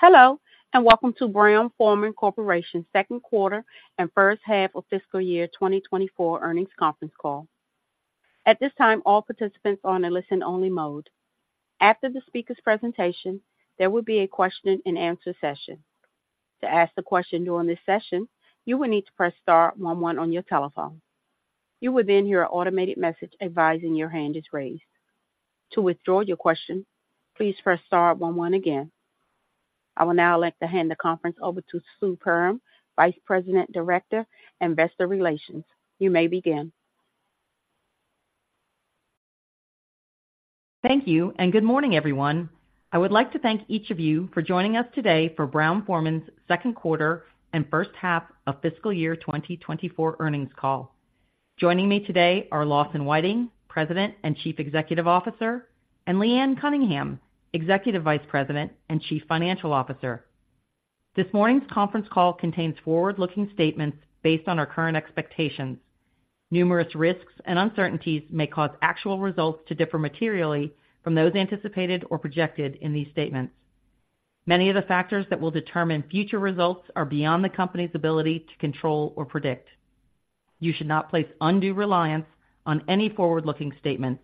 Hello, and welcome to Brown-Forman Corporation's Q2 and first half of fiscal year 2024 earnings conference call. At this time, all participants are in a listen-only mode. After the speaker's presentation, there will be a question-and-answer session. To ask a question during this session, you will need to press star one one on your telephone. You will then hear an automated message advising your hand is raised. To withdraw your question, please press star one one again. I will now like to hand the conference over to Sue Perram, Vice President, Director of Investor Relations. You may begin. Thank you, and good morning, everyone. I would like to thank each of you for joining us today for Brown-Forman's Q2 and first half of fiscal year 2024 earnings call. Joining me today are Lawson Whiting, President and Chief Executive Officer, and Leanne Cunningham, Executive Vice President and Chief Financial Officer. This morning's conference call contains forward-looking statements based on our current expectations. Numerous risks and uncertainties may cause actual results to differ materially from those anticipated or projected in these statements. Many of the factors that will determine future results are beyond the company's ability to control or predict. You should not place undue reliance on any forward-looking statements,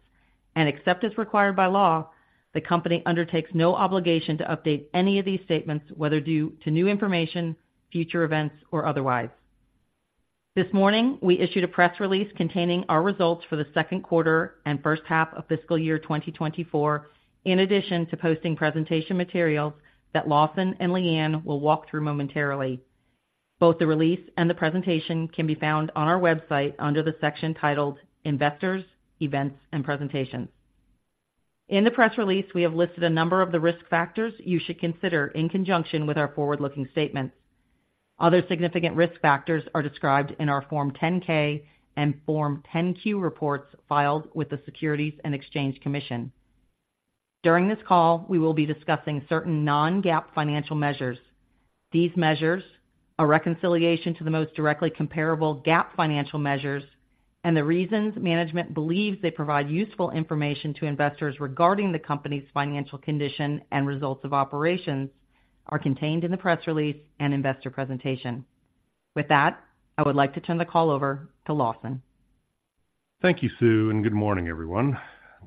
and except as required by law, the company undertakes no obligation to update any of these statements, whether due to new information, future events, or otherwise. This morning, we issued a press release containing our results for the Q2 and first half of fiscal year 2024, in addition to posting presentation materials that Lawson and Leanne will walk through momentarily. Both the release and the presentation can be found on our website under the section titled Investors, Events, and Presentations. In the press release, we have listed a number of the risk factors you should consider in conjunction with our forward-looking statements. Other significant risk factors are described in our Form 10-K and Form 10-Q reports filed with the Securities and Exchange Commission. During this call, we will be discussing certain non-GAAP financial measures. These measures, a reconciliation to the most directly comparable GAAP financial measures, and the reasons management believes they provide useful information to investors regarding the company's financial condition and results of operations, are contained in the press release and investor presentation. With that, I would like to turn the call over to Lawson. Thank you, Sue, and good morning, everyone.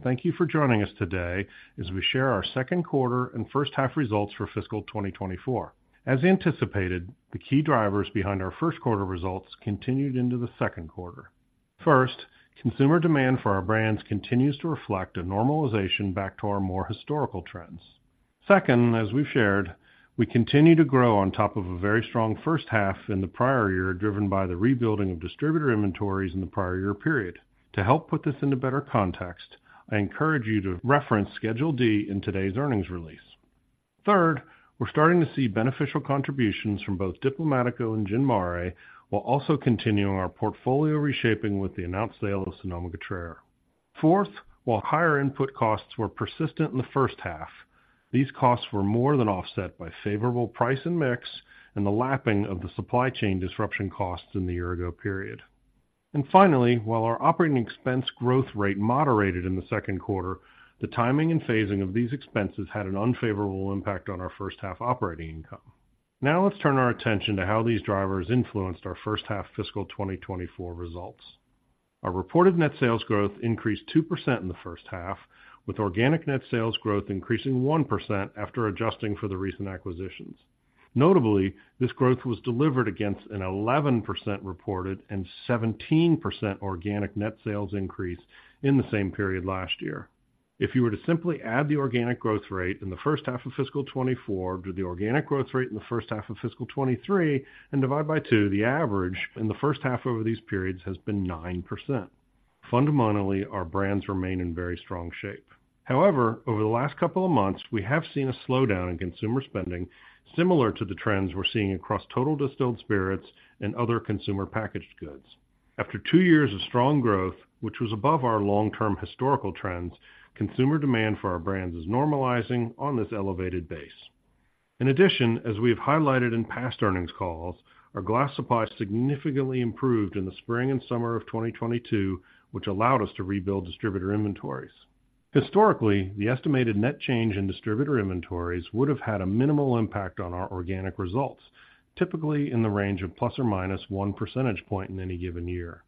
Thank you for joining us today as we share our Q2 and first half results for fiscal 2024. As anticipated, the key drivers behind our Q1 results continued into the Q2. First, consumer demand for our brands continues to reflect a normalization back to our more historical trends. Second, as we've shared, we continue to grow on top of a very strong first half in the prior year, driven by the rebuilding of distributor inventories in the prior year period. To help put this into better context, I encourage you to reference Schedule D in today's earnings release. Third, we're starting to see beneficial contributions from both Diplomático and Gin Mare, while also continuing our portfolio reshaping with the announced sale of Sonoma-Cutrer. Fourth, while higher input costs were persistent in the first half, these costs were more than offset by favorable price and mix and the lapping of the supply chain disruption costs in the year-ago period. And finally, while our operating expense growth rate moderated in the Q2, the timing and phasing of these expenses had an unfavorable impact on our first half operating income. Now, let's turn our attention to how these drivers influenced our first half fiscal 2024 results. Our reported net sales growth increased 2% in the first half, with organic net sales growth increasing 1% after adjusting for the recent acquisitions. Notably, this growth was delivered against an 11% reported and 17% organic net sales increase in the same period last year. If you were to simply add the organic growth rate in the first half of fiscal 2024 to the organic growth rate in the first half of fiscal 2023 and divide by 2, the average in the first half over these periods has been 9%. Fundamentally, our brands remain in very strong shape. However, over the last couple of months, we have seen a slowdown in consumer spending, similar to the trends we're seeing across total distilled spirits and other consumer packaged goods. After 2 years of strong growth, which was above our long-term historical trends, consumer demand for our brands is normalizing on this elevated base. In addition, as we have highlighted in past earnings calls, our glass supply significantly improved in the spring and summer of 2022, which allowed us to rebuild distributor inventories. Historically, the estimated net change in distributor inventories would have had a minimal impact on our organic results, typically in the range of ±1 percentage point in any given year.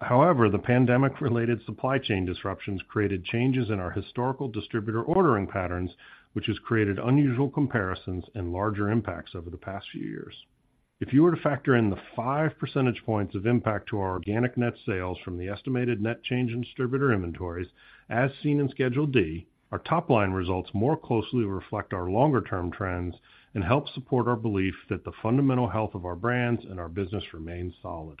However, the pandemic-related supply chain disruptions created changes in our historical distributor ordering patterns, which has created unusual comparisons and larger impacts over the past few years. If you were to factor in the 5 percentage points of impact to our organic net sales from the estimated net change in distributor inventories, as seen in Schedule D, our top-line results more closely reflect our longer-term trends and help support our belief that the fundamental health of our brands and our business remains solid.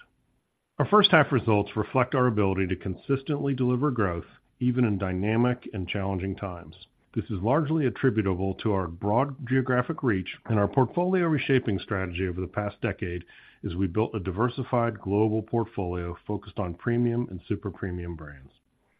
Our first half results reflect our ability to consistently deliver growth, even in dynamic and challenging times. This is largely attributable to our broad geographic reach and our portfolio reshaping strategy over the past decade, as we built a diversified global portfolio focused on premium and super-premium brands.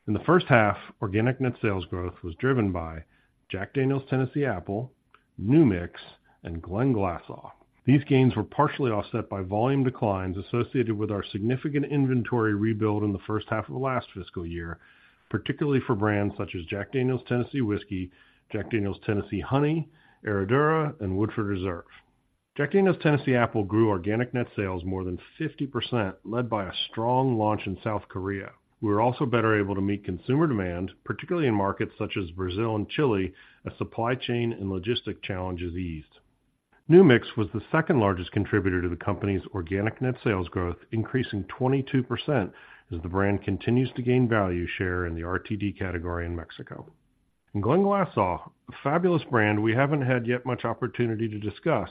In the first half, organic net sales growth was driven by Jack Daniel's Tennessee Apple, New Mix, and Glenglassaugh. These gains were partially offset by volume declines associated with our significant inventory rebuild in the first half of the last fiscal year, particularly for brands such as Jack Daniel's Tennessee Whiskey, Jack Daniel's Tennessee Honey, Herradura, and Woodford Reserve. Jack Daniel's Tennessee Apple grew organic net sales more than 50%, led by a strong launch in South Korea. We were also better able to meet consumer demand, particularly in markets such as Brazil and Chile, as supply chain and logistic challenges eased. New Mix was the second-largest contributor to the company's organic net sales growth, increasing 22% as the brand continues to gain value share in the RTD category in Mexico. Glenglassaugh, a fabulous brand we haven't had yet much opportunity to discuss.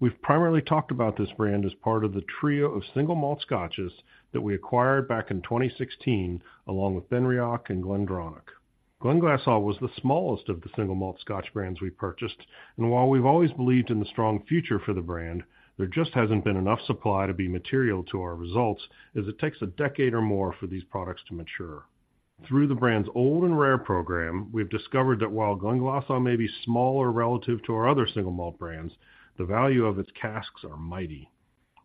We've primarily talked about this brand as part of the trio of single malt Scotches that we acquired back in 2016, along with Benriach and GlenDronach. Glenglassaugh was the smallest of the single malt Scotch brands we purchased, and while we've always believed in the strong future for the brand, there just hasn't been enough supply to be material to our results, as it takes a decade or more for these products to mature. Through the brand's Old and Rare program, we've discovered that while Glenglassaugh may be smaller relative to our other single malt brands, the value of its casks are mighty.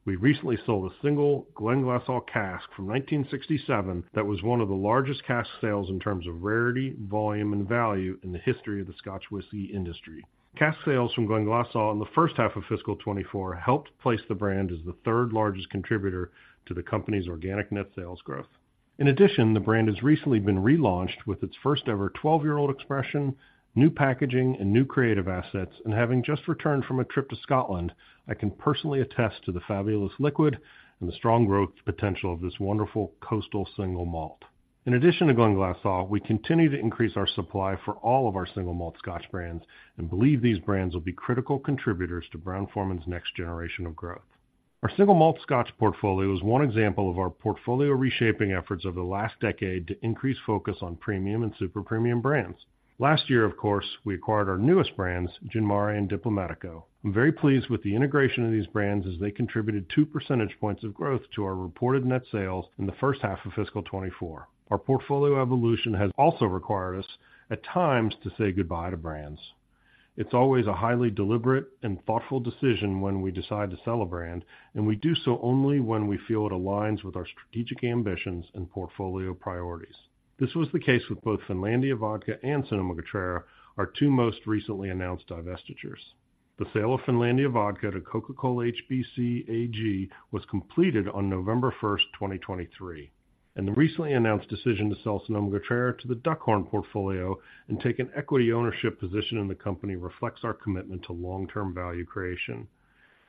We recently sold a single Glenglassaugh cask from 1967 that was one of the largest cask sales in terms of rarity, volume, and value in the history of the Scotch whisky industry. Cask sales from Glenglassaugh in the first half of fiscal 2024 helped place the brand as the third-largest contributor to the company's organic net sales growth. In addition, the brand has recently been relaunched with its first-ever 12-year-old expression, new packaging, and new creative assets, and having just returned from a trip to Scotland, I can personally attest to the fabulous liquid and the strong growth potential of this wonderful coastal single malt. In addition to Glenglassaugh, we continue to increase our supply for all of our single malt Scotch whisky brands and believe these brands will be critical contributors to Brown-Forman's next generation of growth. Our single malt Scotch portfolio is one example of our portfolio reshaping efforts over the last decade to increase focus on premium and super premium brands. Last year, of course, we acquired our newest brands, Gin Mare and Diplomático. I'm very pleased with the integration of these brands, as they contributed two percentage points of growth to our reported net sales in the first half of fiscal 2024. Our portfolio evolution has also required us, at times, to say goodbye to brands. It's always a highly deliberate and thoughtful decision when we decide to sell a brand, and we do so only when we feel it aligns with our strategic ambitions and portfolio priorities. This was the case with both Finlandia Vodka and Sonoma-Cutrer, our two most recently announced divestitures. The sale of Finlandia Vodka to Coca-Cola HBC AG was completed on November 1, 2023, and the recently announced decision to sell Sonoma-Cutrer to The Duckhorn Portfolio and take an equity ownership position in the company reflects our commitment to long-term value creation.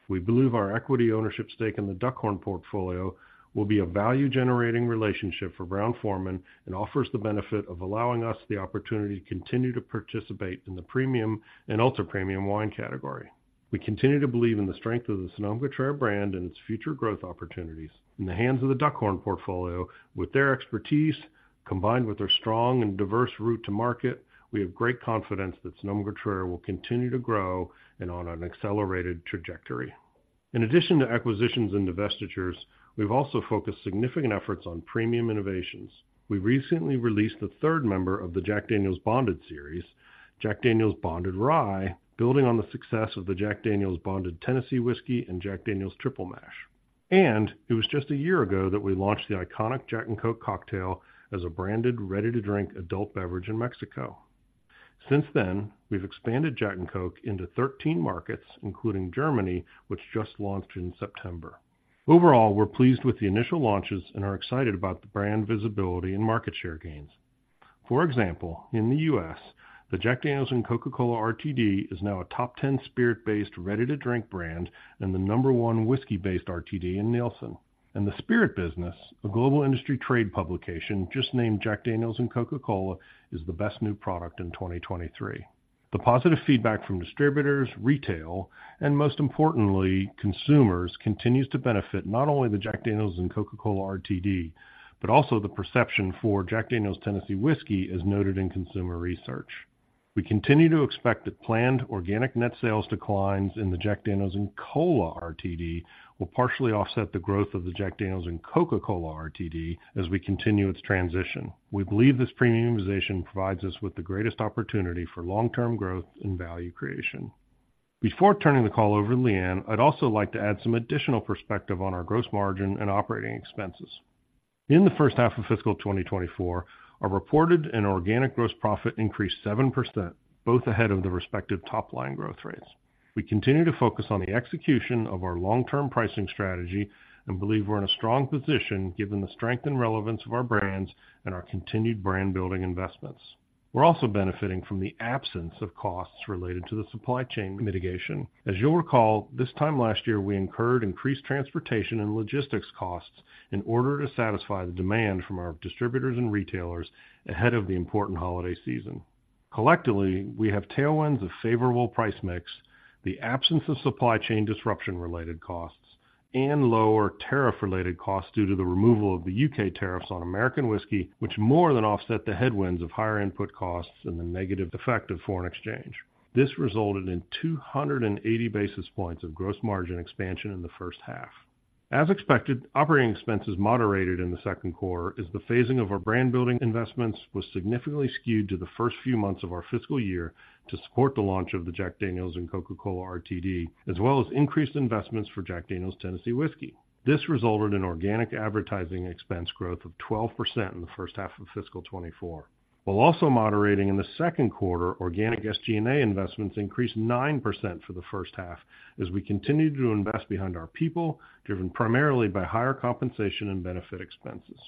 We believe our equity ownership stake in The Duckhorn Portfolio will be a value-generating relationship for Brown-Forman and offers the benefit of allowing us the opportunity to continue to participate in the premium and ultra-premium wine category. We continue to believe in the strength of the Sonoma-Cutrer brand and its future growth opportunities. In the hands of The Duckhorn Portfolio, with their expertise, combined with their strong and diverse route to market, we have great confidence that Sonoma-Cutrer will continue to grow and on an accelerated trajectory. In addition to acquisitions and divestitures, we've also focused significant efforts on premium innovations. We recently released the third member of the Jack Daniel's Bonded series, Jack Daniel's Bonded Rye, building on the success of the Jack Daniel's Bonded Tennessee Whiskey and Jack Daniel's Triple Mash. And it was just a year ago that we launched the iconic Jack and Coke cocktail as a branded, ready-to-drink adult beverage in Mexico. Since then, we've expanded Jack and Coke into 13 markets, including Germany, which just launched in September. Overall, we're pleased with the initial launches and are excited about the brand visibility and market share gains. For example, in the U.S., the Jack Daniel's and Coca-Cola RTD is now a top 10 spirit-based, ready-to-drink brand and the number one whiskey-based RTD in Nielsen. And The Spirits Business, a global industry trade publication, just named Jack Daniel's and Coca-Cola as the best new product in 2023. The positive feedback from distributors, retail, and most importantly, consumers, continues to benefit not only the Jack Daniel's and Coca-Cola RTD, but also the perception for Jack Daniel's Tennessee Whiskey, as noted in consumer research. We continue to expect that planned organic net sales declines in the Jack Daniel's and Cola RTD will partially offset the growth of the Jack Daniel's and Coca-Cola RTD as we continue its transition. We believe this premiumization provides us with the greatest opportunity for long-term growth and value creation. Before turning the call over to Leanne, I'd also like to add some additional perspective on our gross margin and operating expenses. In the first half of fiscal 2024, our reported and organic gross profit increased 7%, both ahead of the respective top-line growth rates. We continue to focus on the execution of our long-term pricing strategy and believe we're in a strong position given the strength and relevance of our brands and our continued brand building investments. We're also benefiting from the absence of costs related to the supply chain mitigation. As you'll recall, this time last year, we incurred increased transportation and logistics costs in order to satisfy the demand from our distributors and retailers ahead of the important holiday season. Collectively, we have tailwinds of favorable price mix, the absence of supply chain disruption-related costs, and lower tariff-related costs due to the removal of the U.K. tariffs on American whiskey, which more than offset the headwinds of higher input costs and the negative effect of foreign exchange. This resulted in 280 basis points of gross margin expansion in the first half. As expected, operating expenses moderated in the Q2 as the phasing of our brand building investments was significantly skewed to the first few months of our fiscal year to support the launch of the Jack Daniel's and Coca-Cola RTD, as well as increased investments for Jack Daniel's Tennessee Whiskey. This resulted in organic advertising expense growth of 12% in the first half of fiscal 2024. While also moderating in the Q2, organic SG&A investments increased 9% for the first half as we continued to invest behind our people, driven primarily by higher compensation and benefit expenses.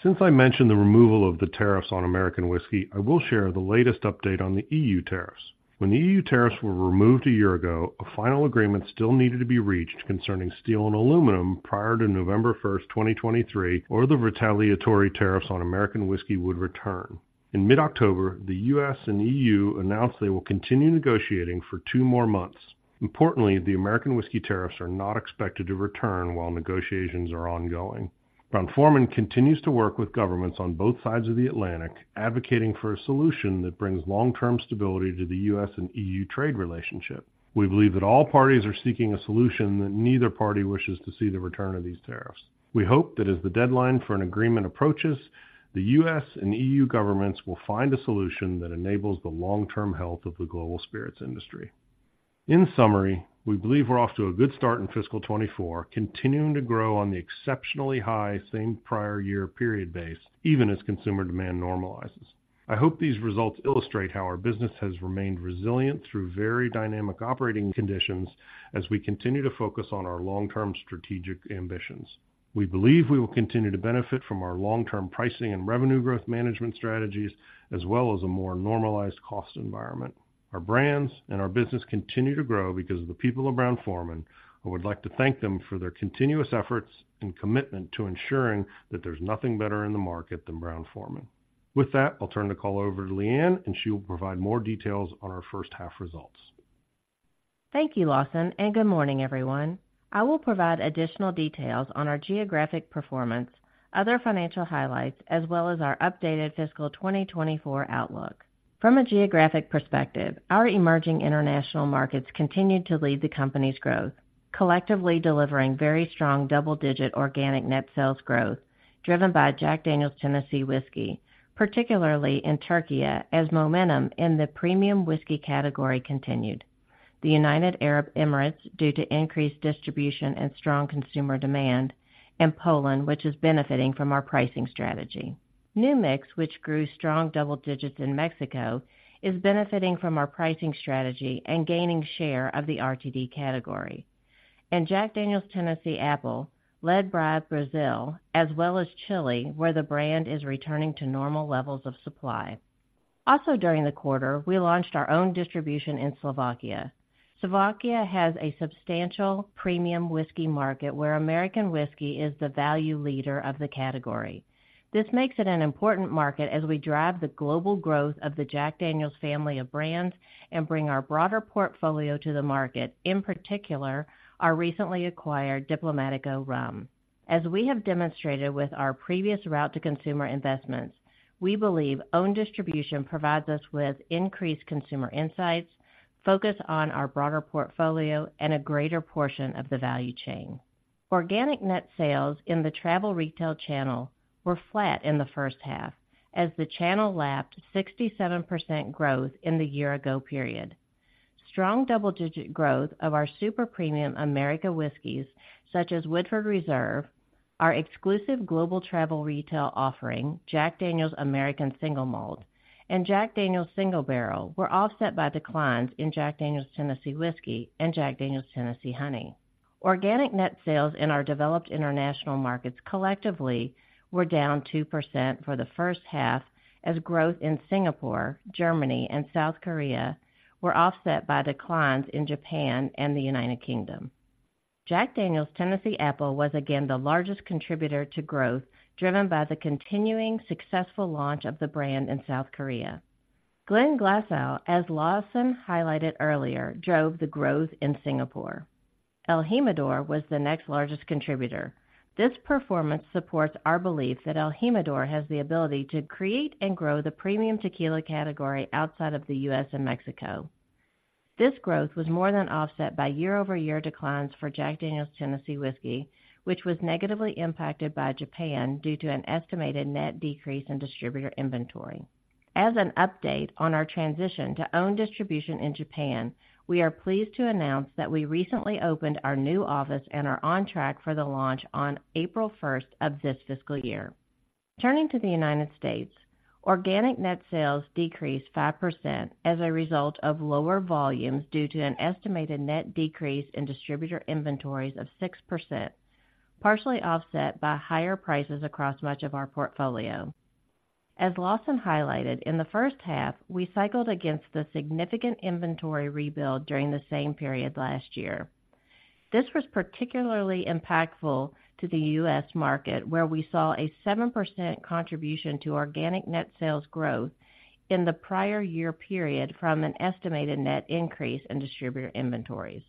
Since I mentioned the removal of the tariffs on American whiskey, I will share the latest update on the EU tariffs. When the E.U. tariffs were removed a year ago, a final agreement still needed to be reached concerning steel and aluminum prior to November 1, 2023, or the retaliatory tariffs on American whiskey would return. In mid-October, the U.S. and E.U. announced they will continue negotiating for two more months. Importantly, the American whiskey tariffs are not expected to return while negotiations are ongoing. Brown-Forman continues to work with governments on both sides of the Atlantic, advocating for a solution that brings long-term stability to the U.S. and E.U. trade relationship. We believe that all parties are seeking a solution that neither party wishes to see the return of these tariffs. We hope that as the deadline for an agreement approaches, the U.S. and E.U. governments will find a solution that enables the long-term health of the global spirits industry. In summary, we believe we're off to a good start in fiscal 2024, continuing to grow on the exceptionally high same prior year period base, even as consumer demand normalizes. I hope these results illustrate how our business has remained resilient through very dynamic operating conditions as we continue to focus on our long-term strategic ambitions. We believe we will continue to benefit from our long-term pricing and revenue growth management strategies, as well as a more normalized cost environment. Our brands and our business continue to grow because of the people of Brown-Forman. I would like to thank them for their continuous efforts and commitment to ensuring that there's nothing better in the market than Brown-Forman. With that, I'll turn the call over to Leanne, and she will provide more details on our first half results. Thank you, Lawson, and good morning, everyone. I will provide additional details on our geographic performance, other financial highlights, as well as our updated fiscal 2024 outlook. From a geographic perspective, our emerging international markets continued to lead the company's growth, collectively delivering very strong double-digit organic net sales growth, driven by Jack Daniel's Tennessee Whiskey, particularly in Türkiye, as momentum in the premium whiskey category continued. The United Arab Emirates, due to increased distribution and strong consumer demand, and Poland, which is benefiting from our pricing strategy. New Mix, which grew strong double digits in Mexico, is benefiting from our pricing strategy and gaining share of the RTD category. Jack Daniel's Tennessee Apple led Brazil, as well as Chile, where the brand is returning to normal levels of supply. Also, during the quarter, we launched our own distribution in Slovakia. Slovakia has a substantial premium whiskey market where American whiskey is the value leader of the category. This makes it an important market as we drive the global growth of the Jack Daniel's family of brands and bring our broader portfolio to the market, in particular, our recently acquired Diplomático Rum. As we have demonstrated with our previous route-to-consumer investments, we believe own distribution provides us with increased consumer insights, focus on our broader portfolio, and a greater portion of the value chain. Organic net sales in the travel retail channel were flat in the first half as the channel lapped 67% growth in the year-ago period. Strong double-digit growth of our super-premium American whiskeys, such as Woodford Reserve, our exclusive global travel retail offering, Jack Daniel's American Single Malt, and Jack Daniel's Single Barrel, were offset by declines in Jack Daniel's Tennessee Whiskey and Jack Daniel's Tennessee Honey. Organic net sales in our developed international markets collectively were down 2% for the first half, as growth in Singapore, Germany, and South Korea were offset by declines in Japan and the United Kingdom. Jack Daniel's Tennessee Apple was again the largest contributor to growth, driven by the continuing successful launch of the brand in South Korea. Glenglassaugh, as Lawson highlighted earlier, drove the growth in Singapore.El Jimador was the next largest contributor. This performance supports our belief that El Jimador has the ability to create and grow the premium tequila category outside of the U.S. and Mexico. This growth was more than offset by year-over-year declines for Jack Daniel's Tennessee Whiskey, which was negatively impacted by Japan due to an estimated net decrease in distributor inventory. As an update on our transition to own distribution in Japan, we are pleased to announce that we recently opened our new office and are on track for the launch on April first of this fiscal year. Turning to the United States, organic net sales decreased 5% as a result of lower volumes due to an estimated net decrease in distributor inventories of 6%, partially offset by higher prices across much of our portfolio. As Lawson highlighted, in the first half, we cycled against the significant inventory rebuild during the same period last year. This was particularly impactful to the U.S. market, where we saw a 7% contribution to organic net sales growth in the prior year period from an estimated net increase in distributor inventories.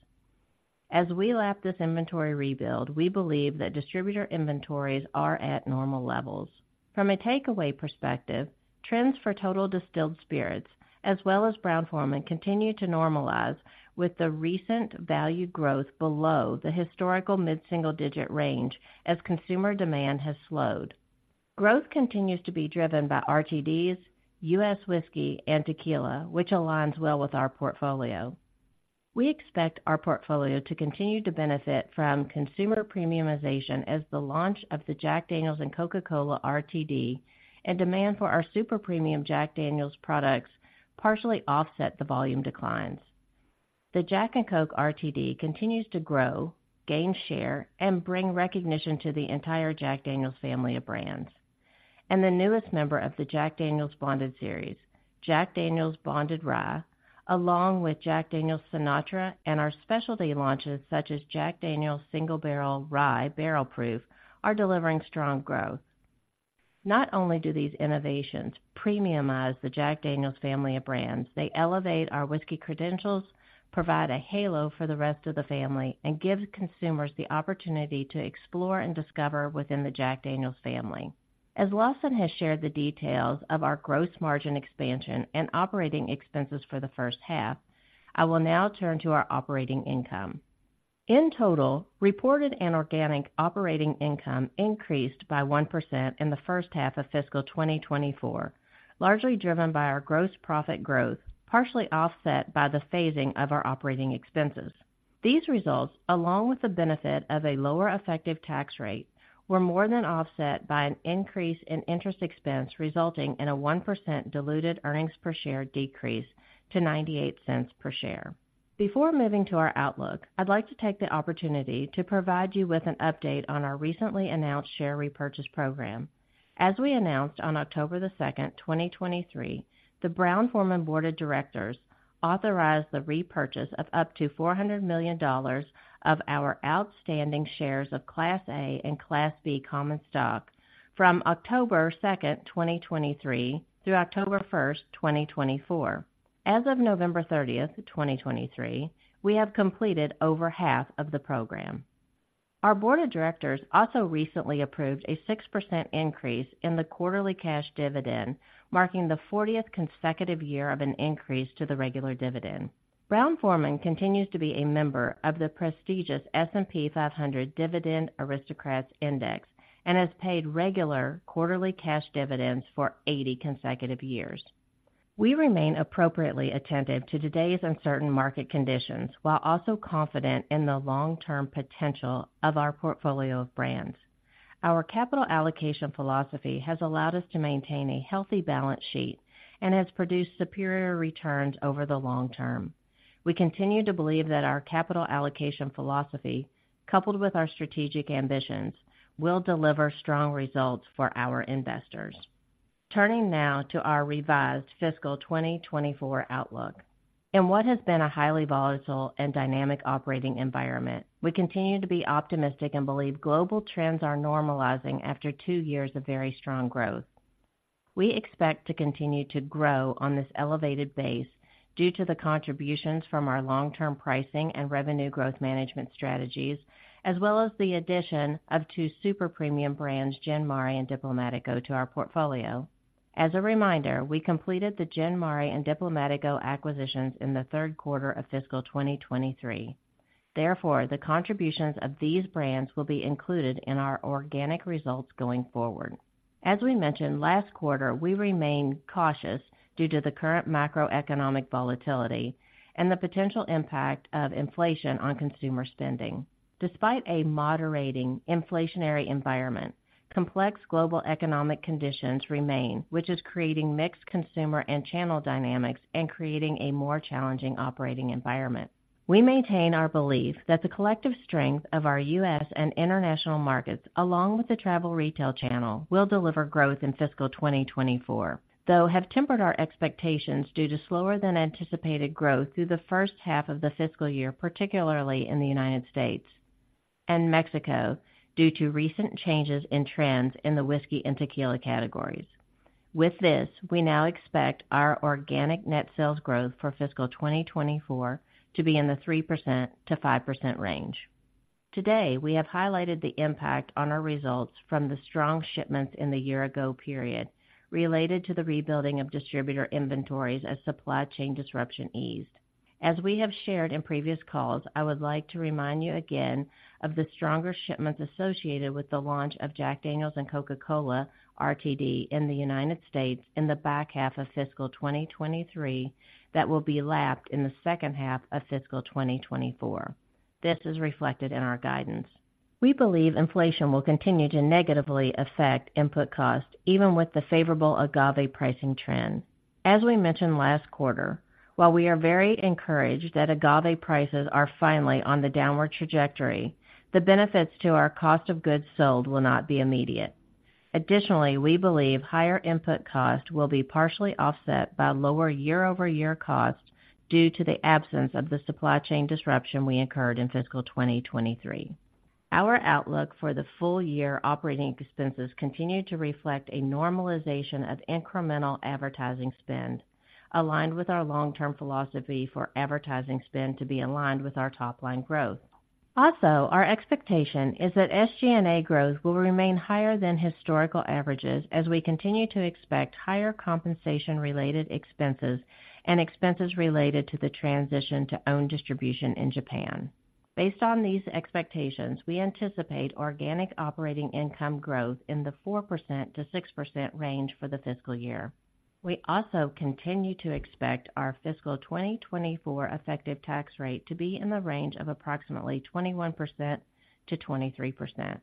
As we lap this inventory rebuild, we believe that distributor inventories are at normal levels. From a takeaway perspective, trends for total distilled spirits, as well as Brown-Forman, continue to normalize with the recent value growth below the historical mid-single-digit range as consumer demand has slowed. Growth continues to be driven by RTDs, U.S. whiskey, and tequila, which aligns well with our portfolio. We expect our portfolio to continue to benefit from consumer premiumization as the launch of the Jack Daniel's and Coca-Cola RTD and demand for our super premium Jack Daniel's products partially offset the volume declines.... The Jack and Coke RTD continues to grow, gain share, and bring recognition to the entire Jack Daniel's family of brands. And the newest member of the Jack Daniel's Bonded series, Jack Daniel's Bonded Rye, along with Jack Daniel's Sinatra and our specialty launches, such as Jack Daniel's Single Barrel Rye Barrel Proof, are delivering strong growth. Not only do these innovations premiumize the Jack Daniel's family of brands, they elevate our whiskey credentials, provide a halo for the rest of the family, and give consumers the opportunity to explore and discover within the Jack Daniel's family. As Lawson has shared the details of our gross margin expansion and operating expenses for the first half, I will now turn to our operating income. In total, reported and organic operating income increased by 1% in the first half of fiscal 2024, largely driven by our gross profit growth, partially offset by the phasing of our operating expenses. These results, along with the benefit of a lower effective tax rate, were more than offset by an increase in interest expense, resulting in a 1% diluted earnings per share decrease to $0.98 per share. Before moving to our outlook, I'd like to take the opportunity to provide you with an update on our recently announced share repurchase program. As we announced on October 2, 2023, the Brown-Forman Board of Directors authorized the repurchase of up to $400 million of our outstanding shares of Class A and Class B common stock from October 2, 2023, through October 1, 2024. As of November 30, 2023, we have completed over half of the program. Our board of directors also recently approved a 6% increase in the quarterly cash dividend, marking the fortieth consecutive year of an increase to the regular dividend. Brown-Forman continues to be a member of the prestigious S&P 500 Dividend Aristocrats Index and has paid regular quarterly cash dividends for 80 consecutive years. We remain appropriately attentive to today's uncertain market conditions, while also confident in the long-term potential of our portfolio of brands. Our capital allocation philosophy has allowed us to maintain a healthy balance sheet and has produced superior returns over the long term. We continue to believe that our capital allocation philosophy, coupled with our strategic ambitions, will deliver strong results for our investors. Turning now to our revised fiscal 2024 outlook. In what has been a highly volatile and dynamic operating environment, we continue to be optimistic and believe global trends are normalizing after two years of very strong growth. We expect to continue to grow on this elevated base due to the contributions from our long-term pricing and revenue growth management strategies, as well as the addition of two super premium brands, Gin Mare and Diplomático, to our portfolio. As a reminder, we completed the Gin Mare and Diplomático acquisitions in the Q3 of fiscal 2023. Therefore, the contributions of these brands will be included in our organic results going forward. As we mentioned last quarter, we remain cautious due to the current macroeconomic volatility and the potential impact of inflation on consumer spending. Despite a moderating inflationary environment, complex global economic conditions remain, which is creating mixed consumer and channel dynamics and creating a more challenging operating environment. We maintain our belief that the collective strength of our U.S. and international markets, along with the travel retail channel, will deliver growth in fiscal 2024, though have tempered our expectations due to slower than anticipated growth through the first half of the fiscal year, particularly in the United States and Mexico, due to recent changes in trends in the whiskey and tequila categories. With this, we now expect our organic net sales growth for fiscal 2024 to be in the 3%-5% range. Today, we have highlighted the impact on our results from the strong shipments in the year ago period related to the rebuilding of distributor inventories as supply chain disruption eased. As we have shared in previous calls, I would like to remind you again of the stronger shipments associated with the launch of Jack Daniel's and Coca-Cola RTD in the United States in the back half of fiscal 2023, that will be lapped in the second half of fiscal 2024. This is reflected in our guidance. We believe inflation will continue to negatively affect input costs, even with the favorable agave pricing trend. As we mentioned last quarter, while we are very encouraged that agave prices are finally on the downward trajectory, the benefits to our cost of goods sold will not be immediate. Additionally, we believe higher input costs will be partially offset by lower year-over-year costs due to the absence of the supply chain disruption we incurred in fiscal 2023. Our outlook for the full year operating expenses continue to reflect a normalization of incremental advertising spend, aligned with our long-term philosophy for advertising spend to be aligned with our top-line growth. Also, our expectation is that SG&A growth will remain higher than historical averages as we continue to expect higher compensation related expenses and expenses related to the transition to own distribution in Japan. Based on these expectations, we anticipate organic operating income growth in the 4%-6% range for the fiscal year. We also continue to expect our fiscal 2024 effective tax rate to be in the range of approximately 21%-23%.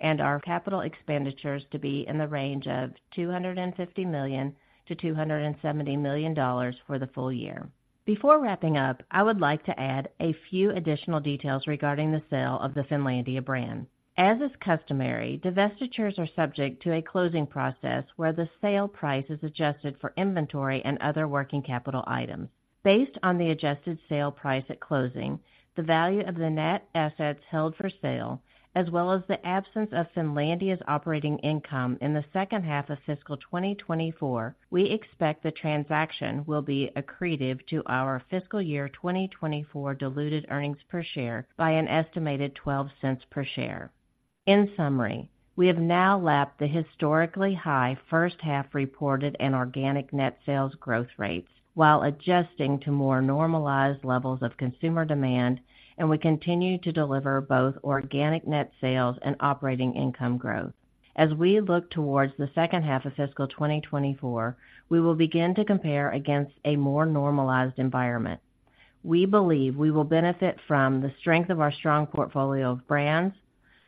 And our capital expenditures to be in the range of $250 million-$270 million for the full year. Before wrapping up, I would like to add a few additional details regarding the sale of the Finlandia brand. As is customary, divestitures are subject to a closing process where the sale price is adjusted for inventory and other working capital items. Based on the adjusted sale price at closing, the value of the net assets held for sale, as well as the absence of Finlandia's operating income in the second half of fiscal 2024, we expect the transaction will be accretive to our fiscal year 2024 diluted earnings per share by an estimated $0.12 per share. In summary, we have now lapped the historically high first half reported and organic net sales growth rates, while adjusting to more normalized levels of consumer demand, and we continue to deliver both organic net sales and operating income growth. As we look towards the second half of fiscal 2024, we will begin to compare against a more normalized environment. We believe we will benefit from the strength of our strong portfolio of brands,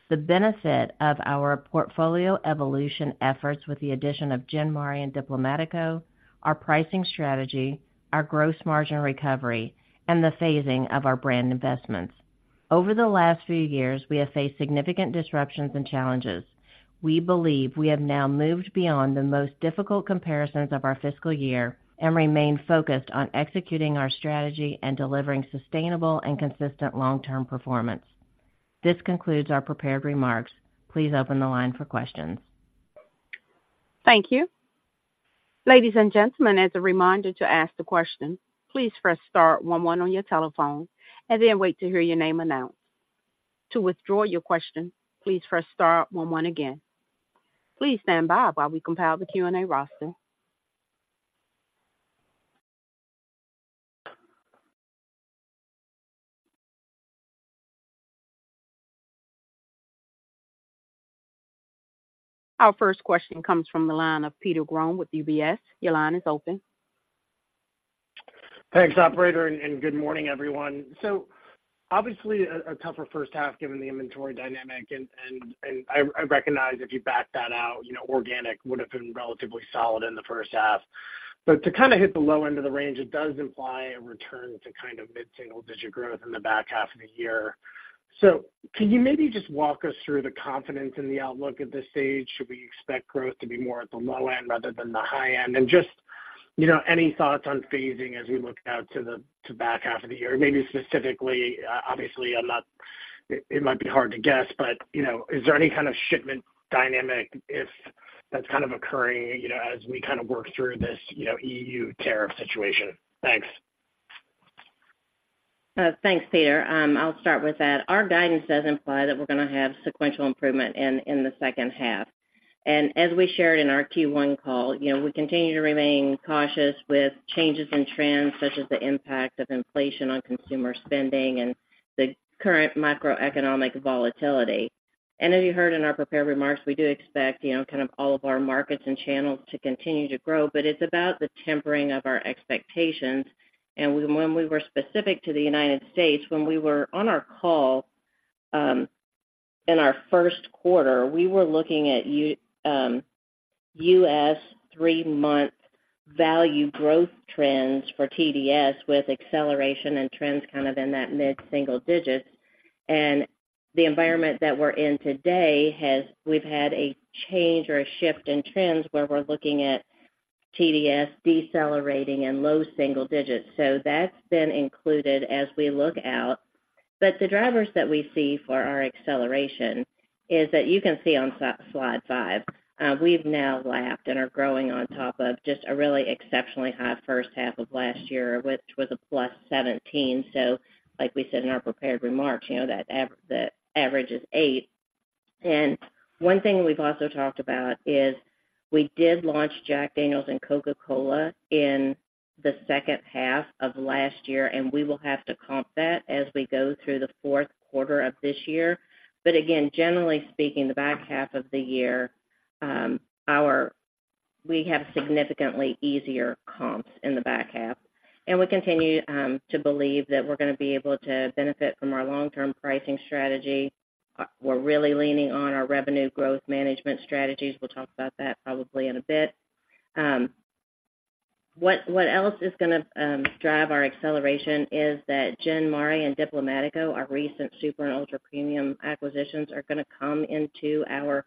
the benefit of our portfolio evolution efforts with the addition of Gin Mare and Diplomático, our pricing strategy, our gross margin recovery, and the phasing of our brand investments. Over the last few years, we have faced significant disruptions and challenges. We believe we have now moved beyond the most difficult comparisons of our fiscal year and remain focused on executing our strategy and delivering sustainable and consistent long-term performance. This concludes our prepared remarks. Please open the line for questions. Thank you. Ladies and gentlemen, as a reminder to ask the question, please press star one one on your telephone and then wait to hear your name announced. To withdraw your question, please press star one one again. Please stand by while we compile the Q&A roster. Our first question comes from the line of Peter Grom with UBS. Your line is open. Thanks, operator, and good morning, everyone. So obviously a tougher first half given the inventory dynamic, and I recognize if you back that out, you know, organic would have been relatively solid in the first half. But to kind of hit the low end of the range, it does imply a return to kind of mid-single digit growth in the back half of the year. So can you maybe just walk us through the confidence in the outlook at this stage? Should we expect growth to be more at the low end rather than the high end? And just, you know, any thoughts on phasing as we look out to the back half of the year? Maybe specifically, obviously, I'm not—it might be hard to guess, but, you know, is there any kind of shipment dynamic if that's kind of occurring, you know, as we kind of work through this, you know, EU tariff situation? Thanks. Thanks, Peter. I'll start with that. Our guidance does imply that we're gonna have sequential improvement in the second half. And as we shared in our Q1 call, you know, we continue to remain cautious with changes in trends, such as the impact of inflation on consumer spending and the current macroeconomic volatility. And as you heard in our prepared remarks, we do expect, you know, kind of all of our markets and channels to continue to grow, but it's about the tempering of our expectations. And when we were specific to the United States, when we were on our call in our Q1, we were looking at U.S. three-month value growth trends for TDS, with acceleration and trends kind of in that mid-single digits. And the environment that we're in today has—we've had a change or a shift in trends, where we're looking at TDS decelerating and low single digits. So that's been included as we look out. But the drivers that we see for our acceleration is that you can see on slide 5, we've now lapped and are growing on top of just a really exceptionally high first half of last year, which was a +17. So like we said in our prepared remarks, you know, that ave—the average is 8. And one thing we've also talked about is we did launch Jack Daniel's and Coca-Cola in the second half of last year, and we will have to comp that as we go through the Q4 of this year. But again, generally speaking, the back half of the year, we have significantly easier comps in the back half, and we continue to believe that we're gonna be able to benefit from our long-term pricing strategy. We're really leaning on our revenue growth management strategies. We'll talk about that probably in a bit. What else is gonna drive our acceleration is that Gin Mare and Diplomático, our recent super and ultra-premium acquisitions, are gonna come into our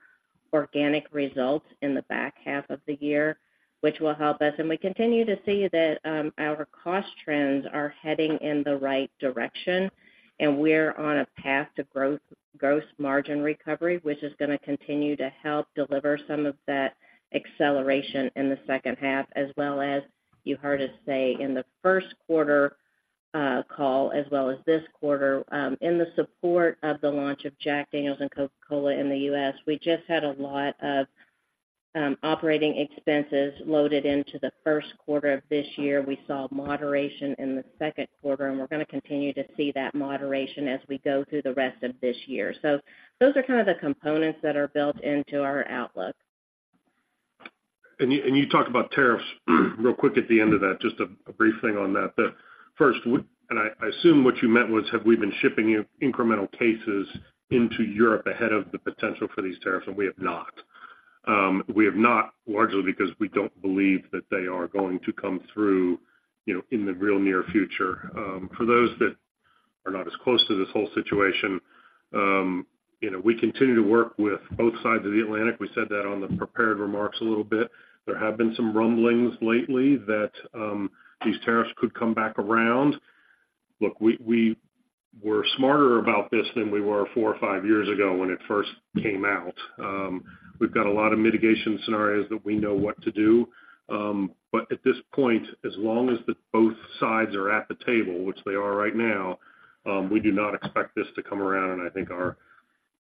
organic results in the back half of the year, which will help us. We continue to see that, our cost trends are heading in the right direction, and we're on a path to gross margin recovery, which is gonna continue to help deliver some of that acceleration in the second half, as well as you heard us say in the Q1 call, as well as this quarter, in the support of the launch of Jack Daniel's and Coca-Cola in the U.S., we just had a lot of operating expenses loaded into the Q1 of this year. We saw moderation in the Q2, and we're gonna continue to see that moderation as we go through the rest of this year. Those are kind of the components that are built into our outlook. And you talked about tariffs. Real quick at the end of that, just a brief thing on that. But first, and I assume what you meant was, have we been shipping you incremental cases into Europe ahead of the potential for these tariffs? And we have not. We have not, largely because we don't believe that they are going to come through, you know, in the real near future. For those that are not as close to this whole situation, you know, we continue to work with both sides of the Atlantic. We said that on the prepared remarks a little bit. There have been some rumblings lately that these tariffs could come back around. Look, we were smarter about this than we were four or five years ago when it first came out. We've got a lot of mitigation scenarios that we know what to do. But at this point, as long as the both sides are at the table, which they are right now, we do not expect this to come around. And I think our,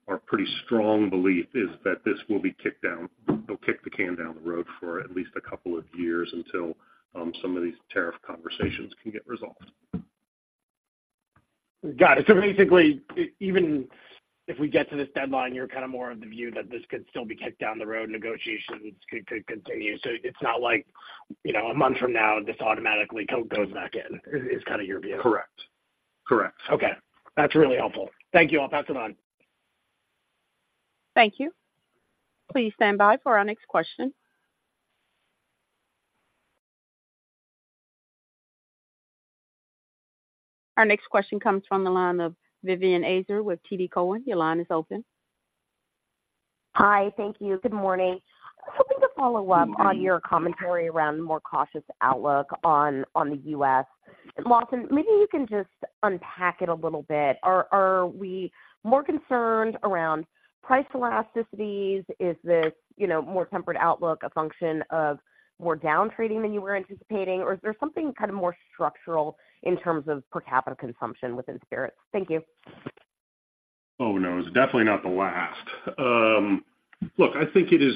our pretty strong belief is that this will be kicked down. They'll kick the can down the road for at least a couple of years until some of these tariff conversations can get resolved. Got it. So basically, even if we get to this deadline, you're kind of more of the view that this could still be kicked down the road, negotiations could continue. So it's not like, you know, a month from now, this automatically goes back in, is kind of your view? Correct. Correct. Okay. That's really helpful. Thank you all. Pass it on. Thank you. Please stand by for our next question. Our next question comes from the line of Vivian Azer with TD Cowen. Your line is open. Hi, thank you. Good morning. Hoping to follow up on your commentary around the more cautious outlook on the US. And Lawson, maybe you can just unpack it a little bit. Are we more concerned around price elasticities? Is this, you know, more tempered outlook a function of more down trading than you were anticipating? Or is there something kind of more structural in terms of per capita consumption within spirits? Thank you. Oh, no, it's definitely not the last. Look, I think it is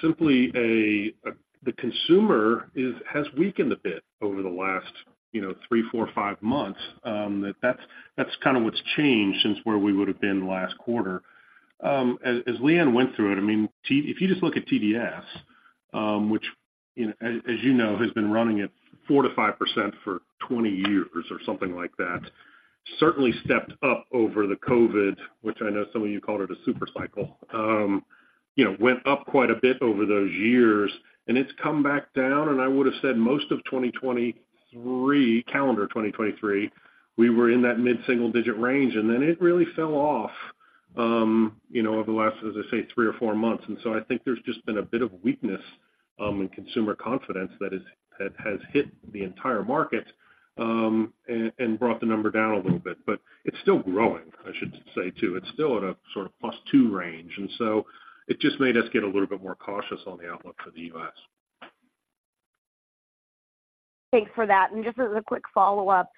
simply a, the consumer is, has weakened a bit over the last, you know, 3, 4, 5 months. That's, that's kind of what's changed since where we would have been last quarter. As, as Leanne went through it, I mean, if you just look at TDS, which, you know, as, as you know, has been running at 4%-5% for 20 years or something like that. Certainly stepped up over the COVID, which I know some of you called it a super cycle. You know, went up quite a bit over those years, and it's come back down, and I would have said most of 2023, calendar 2023, we were in that mid-single digit range, and then it really fell off, you know, over the last, as I say, 3 or 4 months. And so I think there's just been a bit of weakness in consumer confidence that is, that has hit the entire market, and, and brought the number down a little bit. But it's still growing, I should say, too. It's still at a sort of +2 range, and so it just made us get a little bit more cautious on the outlook for the U.S. Thanks for that. And just as a quick follow-up,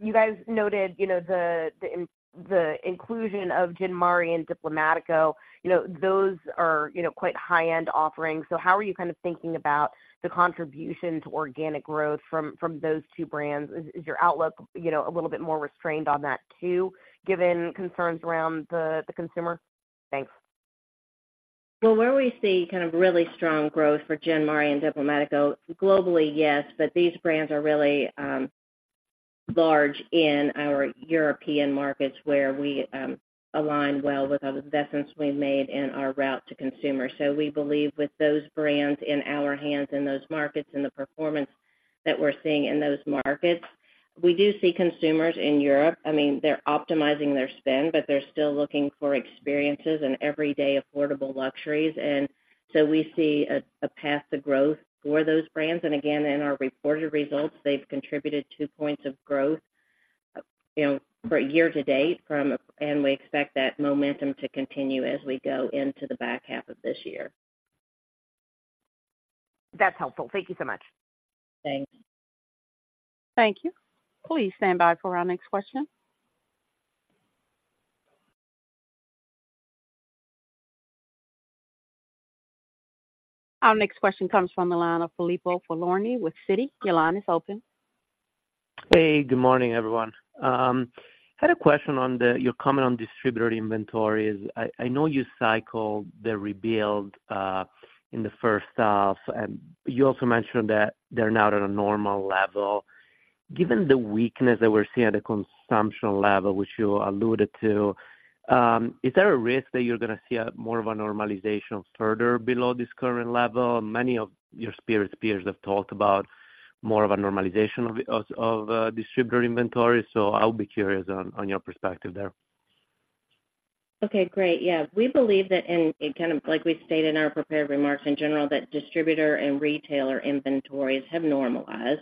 you guys noted, you know, the inclusion of Gin Mare and Diplomático, you know, those are, you know, quite high-end offerings. So how are you kind of thinking about the contribution to organic growth from those two brands? Is your outlook, you know, a little bit more restrained on that too, given concerns around the consumer? Thanks. Well, where we see kind of really strong growth for Gin Mare and Diplomático, globally, yes, but these brands are really large in our European markets, where we align well with other investments we've made in our route to consumer. So we believe with those brands in our hands, in those markets and the performance that we're seeing in those markets, we do see consumers in Europe. I mean, they're optimizing their spend, but they're still looking for experiences and everyday affordable luxuries. And so we see a path to growth for those brands. And again, in our reported results, they've contributed to points of growth, you know, for year to date from, and we expect that momentum to continue as we go into the back half of this year. That's helpful. Thank you so much. Thanks. Thank you. Please stand by for our next question. Our next question comes from the line of Filippo Falorni with Citi. Your line is open. Hey, good morning, everyone. I had a question on your comment on distributor inventories. I know you cycled the rebuild in the first half, and you also mentioned that they're now at a normal level. Given the weakness that we're seeing at the consumption level, which you alluded to, is there a risk that you're gonna see more of a normalization further below this current level? Many of your spirit peers have talked about more of a normalization of distributor inventory, so I'll be curious on your perspective there. Okay, great. Yeah, we believe that, and kind of like we stated in our prepared remarks in general, that distributor and retailer inventories have normalized.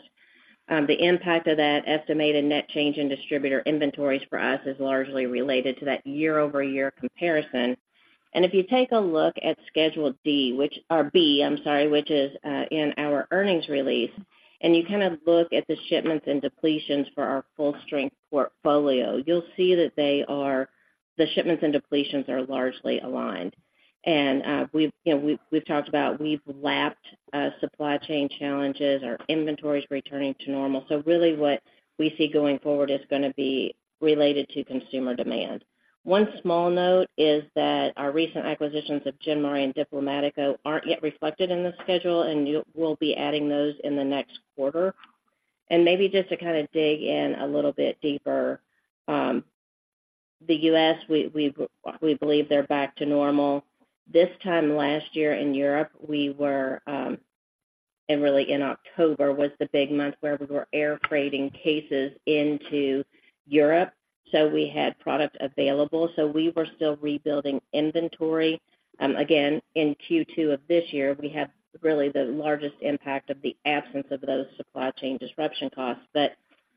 The impact of that estimated net change in distributor inventories for us is largely related to that year-over-year comparison. And if you take a look at Schedule D, which... Or B, I'm sorry, which is in our earnings release, and you kind of look at the shipments and depletions for our full-strength portfolio, you'll see that they are, the shipments and depletions are largely aligned. And we've, you know, talked about, we've lapped supply chain challenges. Our inventory is returning to normal. So really what we see going forward is gonna be related to consumer demand.... One small note is that our recent acquisitions of Gin Mare and Diplomático aren't yet reflected in the schedule, and we'll be adding those in the next quarter. Maybe just to kind of dig in a little bit deeper, the U.S., we believe they're back to normal. This time last year in Europe, we were, and really in October was the big month where we were airfreighting cases into Europe, so we had product available. So we were still rebuilding inventory. Again, in Q2 of this year, we have really the largest impact of the absence of those supply chain disruption costs, but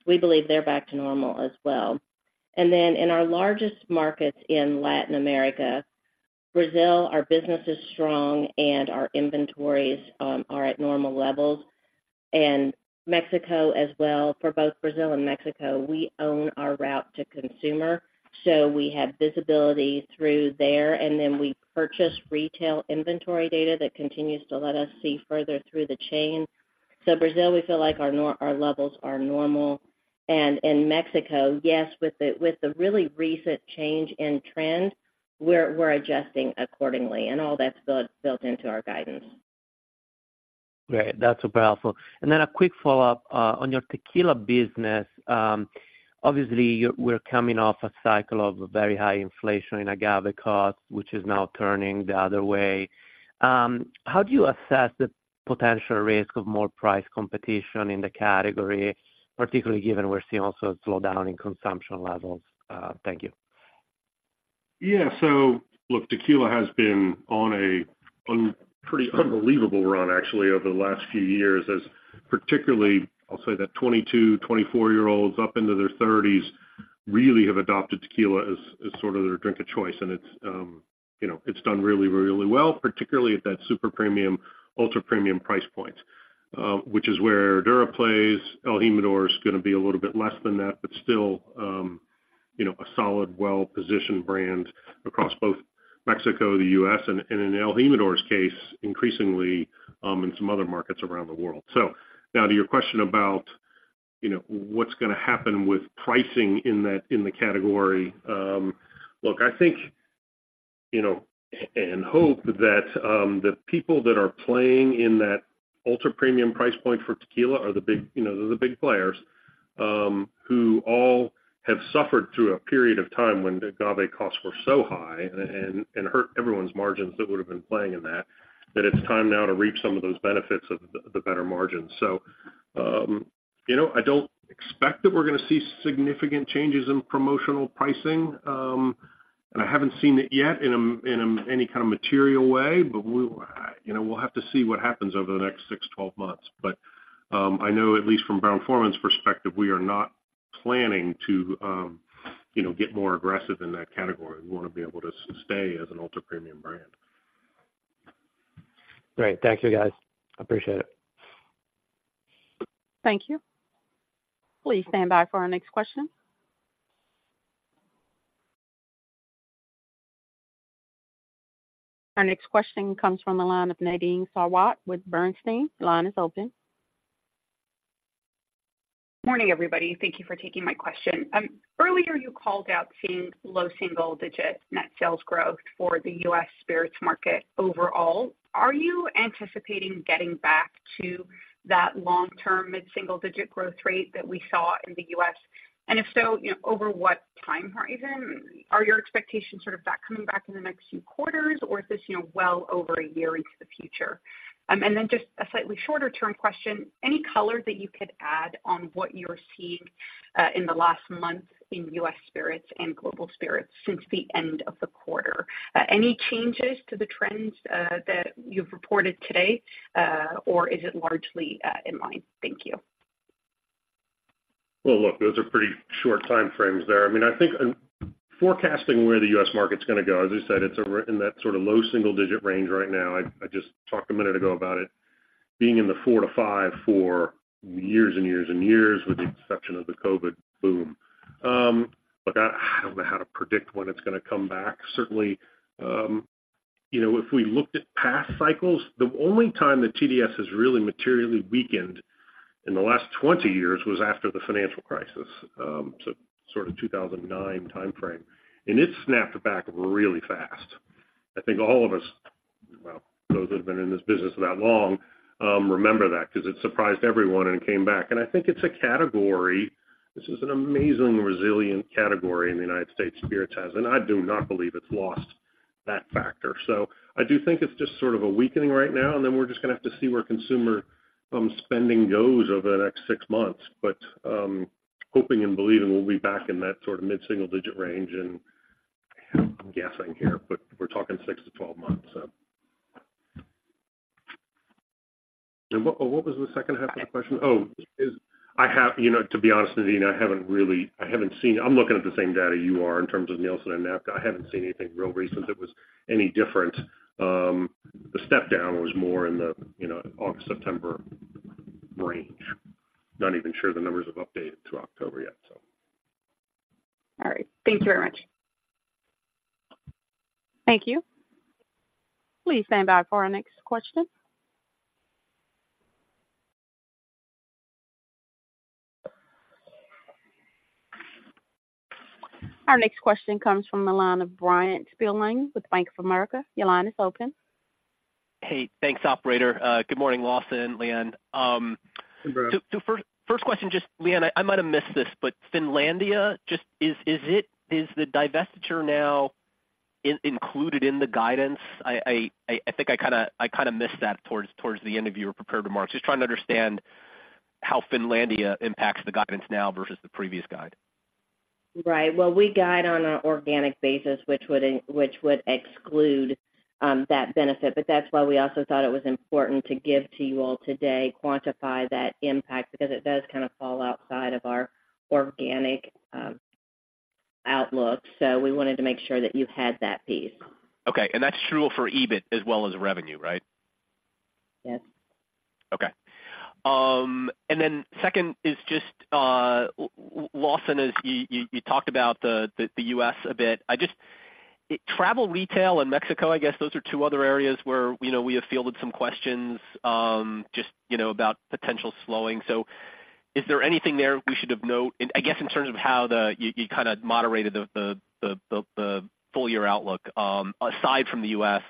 we believe they're back to normal as well. And then in our largest markets in Latin America, Brazil, our business is strong and our inventories are at normal levels, and Mexico as well. For both Brazil and Mexico, we own our route to consumer, so we have visibility through there, and then we purchase retail inventory data that continues to let us see further through the chain. So Brazil, we feel like our normal levels are normal. And in Mexico, yes, with the really recent change in trend, we're adjusting accordingly, and all that's built into our guidance. Great. That's helpful. And then a quick follow-up on your tequila business. Obviously, we're coming off a cycle of very high inflation in agave cost, which is now turning the other way. How do you assess the potential risk of more price competition in the category, particularly given we're seeing also a slowdown in consumption levels? Thank you. Yeah. So look, tequila has been on a pretty unbelievable run, actually, over the last few years, as particularly, I'll say, the 22-24-year-olds up into their thirties, really have adopted tequila as, as sort of their drink of choice. And it's, you know, it's done really, really well, particularly at that super premium, ultra premium price point, which is where Herradura plays. El Jimador is gonna be a little bit less than that, but still, you know, a solid, well-positioned brand across both Mexico, the U.S., and, and in El Jimador's case, increasingly, in some other markets around the world. So now to your question about, you know, what's gonna happen with pricing in that, in the category? Look, I think, you know, and hope that the people that are playing in that ultra premium price point for tequila are the big, you know, they're the big players who all have suffered through a period of time when the agave costs were so high and hurt everyone's margins that would have been playing in that. It's time now to reap some of those benefits of the better margins. So, you know, I don't expect that we're gonna see significant changes in promotional pricing, and I haven't seen it yet in any kind of material way. But we, you know, we'll have to see what happens over the next six to 12 months. But I know at least from Brown-Forman's perspective, we are not planning to, you know, get more aggressive in that category. We wanna be able to stay as an ultra premium brand. Great. Thank you, guys. I appreciate it. Thank you. Please stand by for our next question. Our next question comes from the line of Nadine Sarwat with Bernstein. The line is open. Morning, everybody. Thank you for taking my question. Earlier, you called out seeing low single digit net sales growth for the U.S. spirits market overall. Are you anticipating getting back to that long-term mid-single digit growth rate that we saw in the U.S.? And if so, you know, over what time horizon? Are your expectations sort of that coming back in the next few quarters, or is this, you know, well over a year into the future? And then just a slightly shorter term question: Any color that you could add on what you're seeing in the last month in U.S. spirits and global spirits since the end of the quarter? Any changes to the trends that you've reported today, or is it largely in line? Thank you. Well, look, those are pretty short time frames there. I mean, I think, forecasting where the U.S. market's gonna go, as I said, it's over in that sort of low single digit range right now. I just talked a minute ago about it being in the 4-5 for years and years and years, with the exception of the COVID boom. But I don't know how to predict when it's gonna come back. Certainly, you know, if we looked at past cycles, the only time that TDS has really materially weakened in the last 20 years was after the financial crisis, so sort of 2009 timeframe, and it snapped back really fast. I think all of us, well, those that have been in this business that long, remember that because it surprised everyone and it came back. And I think it's a category... This is an amazing, resilient category in the United States, spirits has, and I do not believe it's lost that factor. So I do think it's just sort of a weakening right now, and then we're just gonna have to see where consumer spending goes over the next six months. But, hoping and believing we'll be back in that sort of mid-single digit range, and I'm guessing here, but we're talking six to 12 months, so. And what was the second half of the question? Oh, is... I have, you know, to be honest, Nadine, I haven't really, I haven't seen. I'm looking at the same data you are in terms of Nielsen and NABCA. I haven't seen anything real recent that was any different. The step down was more in the, you know, August, September range. Not even sure the numbers have updated to October yet, so. All right. Thank you very much. Thank you. Please stand by for our next question. Our next question comes from the line of Bryan Spillane with Bank of America. Your line is open. Hey, thanks, operator. Good morning, Lawson, Leanne. Good morning. So, first question, just Leanne, I might have missed this, but Finlandia just... Is it the divestiture now included in the guidance? I think I kinda missed that towards the end of your prepared remarks. Just trying to understand how Finlandia impacts the guidance now versus the previous guide. Right. Well, we guide on an organic basis, which would exclude that benefit. But that's why we also thought it was important to give to you all today, quantify that impact, because it does kind of fall outside of our organic outlook. So we wanted to make sure that you had that piece. Okay, and that's true for EBIT as well as revenue, right? Yes. Okay. And then second is just Lawson, as you talked about the U.S. a bit. I just—travel retail in Mexico, I guess those are two other areas where, you know, we have fielded some questions, just, you know, about potential slowing. So is there anything there we should have note, and I guess in terms of how you kinda moderated the full year outlook, aside from the U.S.,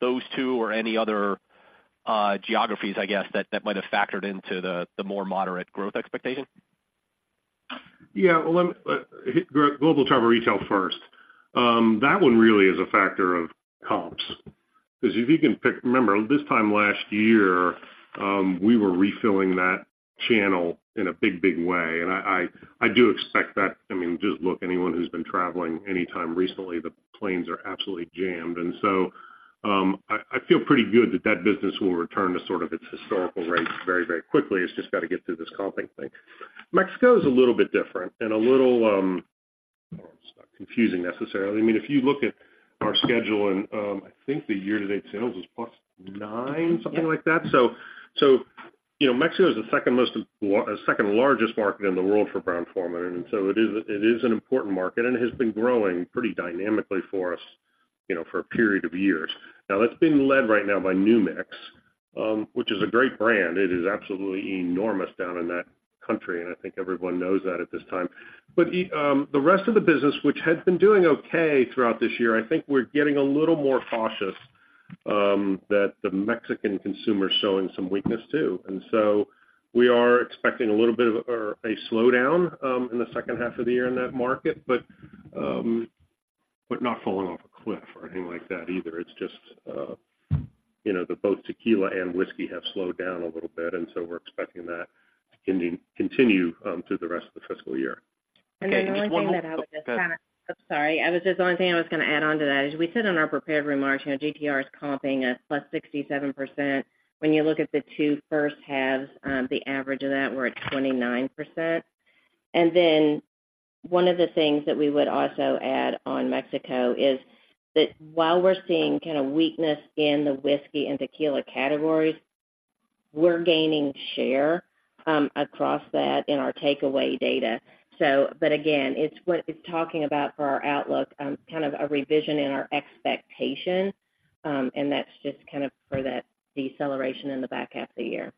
those two or any other geographies, I guess, that might have factored into the more moderate growth expectation? Yeah, well, let me global travel retail first. That one really is a factor of comps, because if you can pick... Remember, this time last year, we were refilling that channel in a big, big way, and I, I, I do expect that. I mean, just look, anyone who's been traveling anytime recently, the planes are absolutely jammed. And so, I, I feel pretty good that that business will return to sort of its historical rates very, very quickly. It's just got to get through this comping thing. Mexico is a little bit different and a little. It's not confusing necessarily. I mean, if you look at our schedule and, I think the year-to-date sales is plus 9, something like that. So, you know, Mexico is the second most, second largest market in the world for Brown-Forman, and so it is, it is an important market, and it has been growing pretty dynamically for us, you know, for a period of years. Now, that's been led right now by New Mix, which is a great brand. It is absolutely enormous down in that country, and I think everyone knows that at this time. But, the rest of the business, which had been doing okay throughout this year, I think we're getting a little more cautious, that the Mexican consumer is showing some weakness, too. And so we are expecting a little bit of, or a slowdown, in the second half of the year in that market, but, but not falling off a cliff or anything like that either. It's just, you know, that both tequila and whiskey have slowed down a little bit, and so we're expecting that to continue through the rest of the fiscal year. And then the only thing that I would just kinda- Okay, just one more- Sorry, I was just, the only thing I was gonna add on to that is we said in our prepared remarks, you know, GTR is comping at +67%. When you look at the two first halves, the average of that, we're at 29%. And then one of the things that we would also add on Mexico is that while we're seeing kinda weakness in the whiskey and tequila categories, we're gaining share, across that in our takeaway data. So but again, it's what it's talking about for our outlook, kind of a revision in our expectation, and that's just kind of for that deceleration in the back half of the year.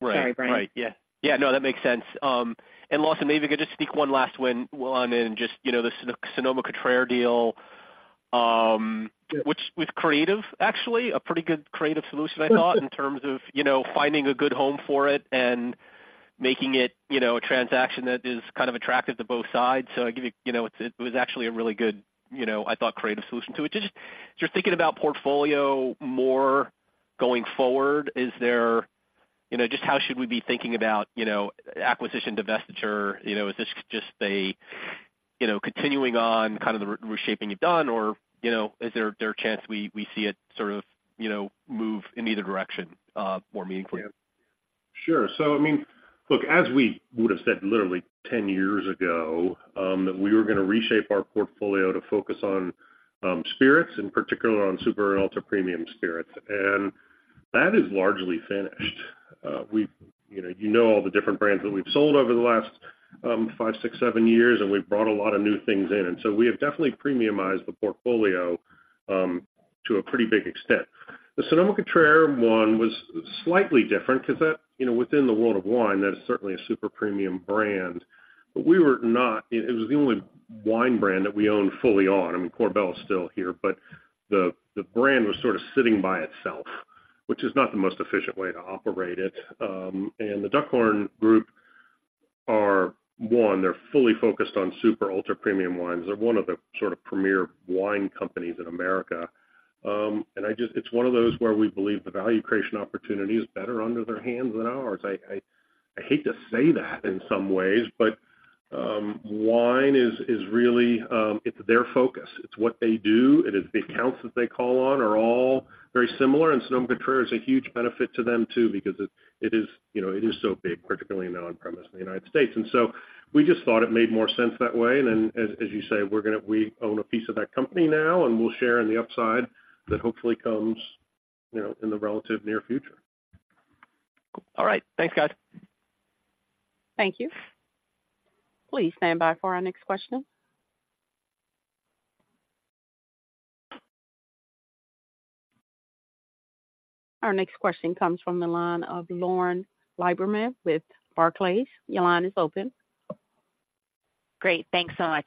Right. Sorry, Bryan. Right. Yeah. Yeah, no, that makes sense. And Lawson, maybe I could just speak one last one in, just, you know, the Sonoma-Cutrer deal, which with creative, actually, a pretty good creative solution, I thought, in terms of, you know, finding a good home for it and making it, you know, a transaction that is kind of attractive to both sides. So I give you—you know, it's, it was actually a really good, you know, I thought, creative solution to it. Just thinking about portfolio more going forward, is there... You know, just how should we be thinking about, you know, acquisition, divestiture? You know, is this just a, you know, continuing on kind of the reshaping you've done? Or, you know, is there a chance we see it sort of, you know, move in either direction more meaningfully? Sure. So I mean, look, as we would have said literally 10 years ago, that we were gonna reshape our portfolio to focus on, spirits, in particular on super- and ultra-premium spirits, and that is largely finished. We, you know, you know all the different brands that we've sold over the last, 5, 6, 7 years, and we've brought a lot of new things in, and so we have definitely premiumized the portfolio, to a pretty big extent. The Sonoma-Cutrer one was slightly different because that, you know, within the world of wine, that is certainly a super-premium brand, but we were not—it was the only wine brand that we owned fully on. I mean, Korbel is still here, but the brand was sort of sitting by itself, which is not the most efficient way to operate it. And the Duckhorn Portfolio are, one, they're fully focused on super, ultra-premium wines. They're one of the sort of premier wine companies in America. And I just, it's one of those where we believe the value creation opportunity is better under their hands than ours. I hate to say that in some ways, but, wine is really, it's their focus. It's what they do, and the accounts that they call on are all very similar, and Sonoma-Cutrer is a huge benefit to them, too, because it is, you know, it is so big, particularly in the on-premise in the United States. And so we just thought it made more sense that way. And then, as you say, we're gonna, we own a piece of that company now, and we'll share in the upside that hopefully comes, you know, in the relative near future. All right. Thanks, guys. Thank you. Please stand by for our next question.... Our next question comes from the line of Lauren Lieberman with Barclays. Your line is open. Great, thanks so much.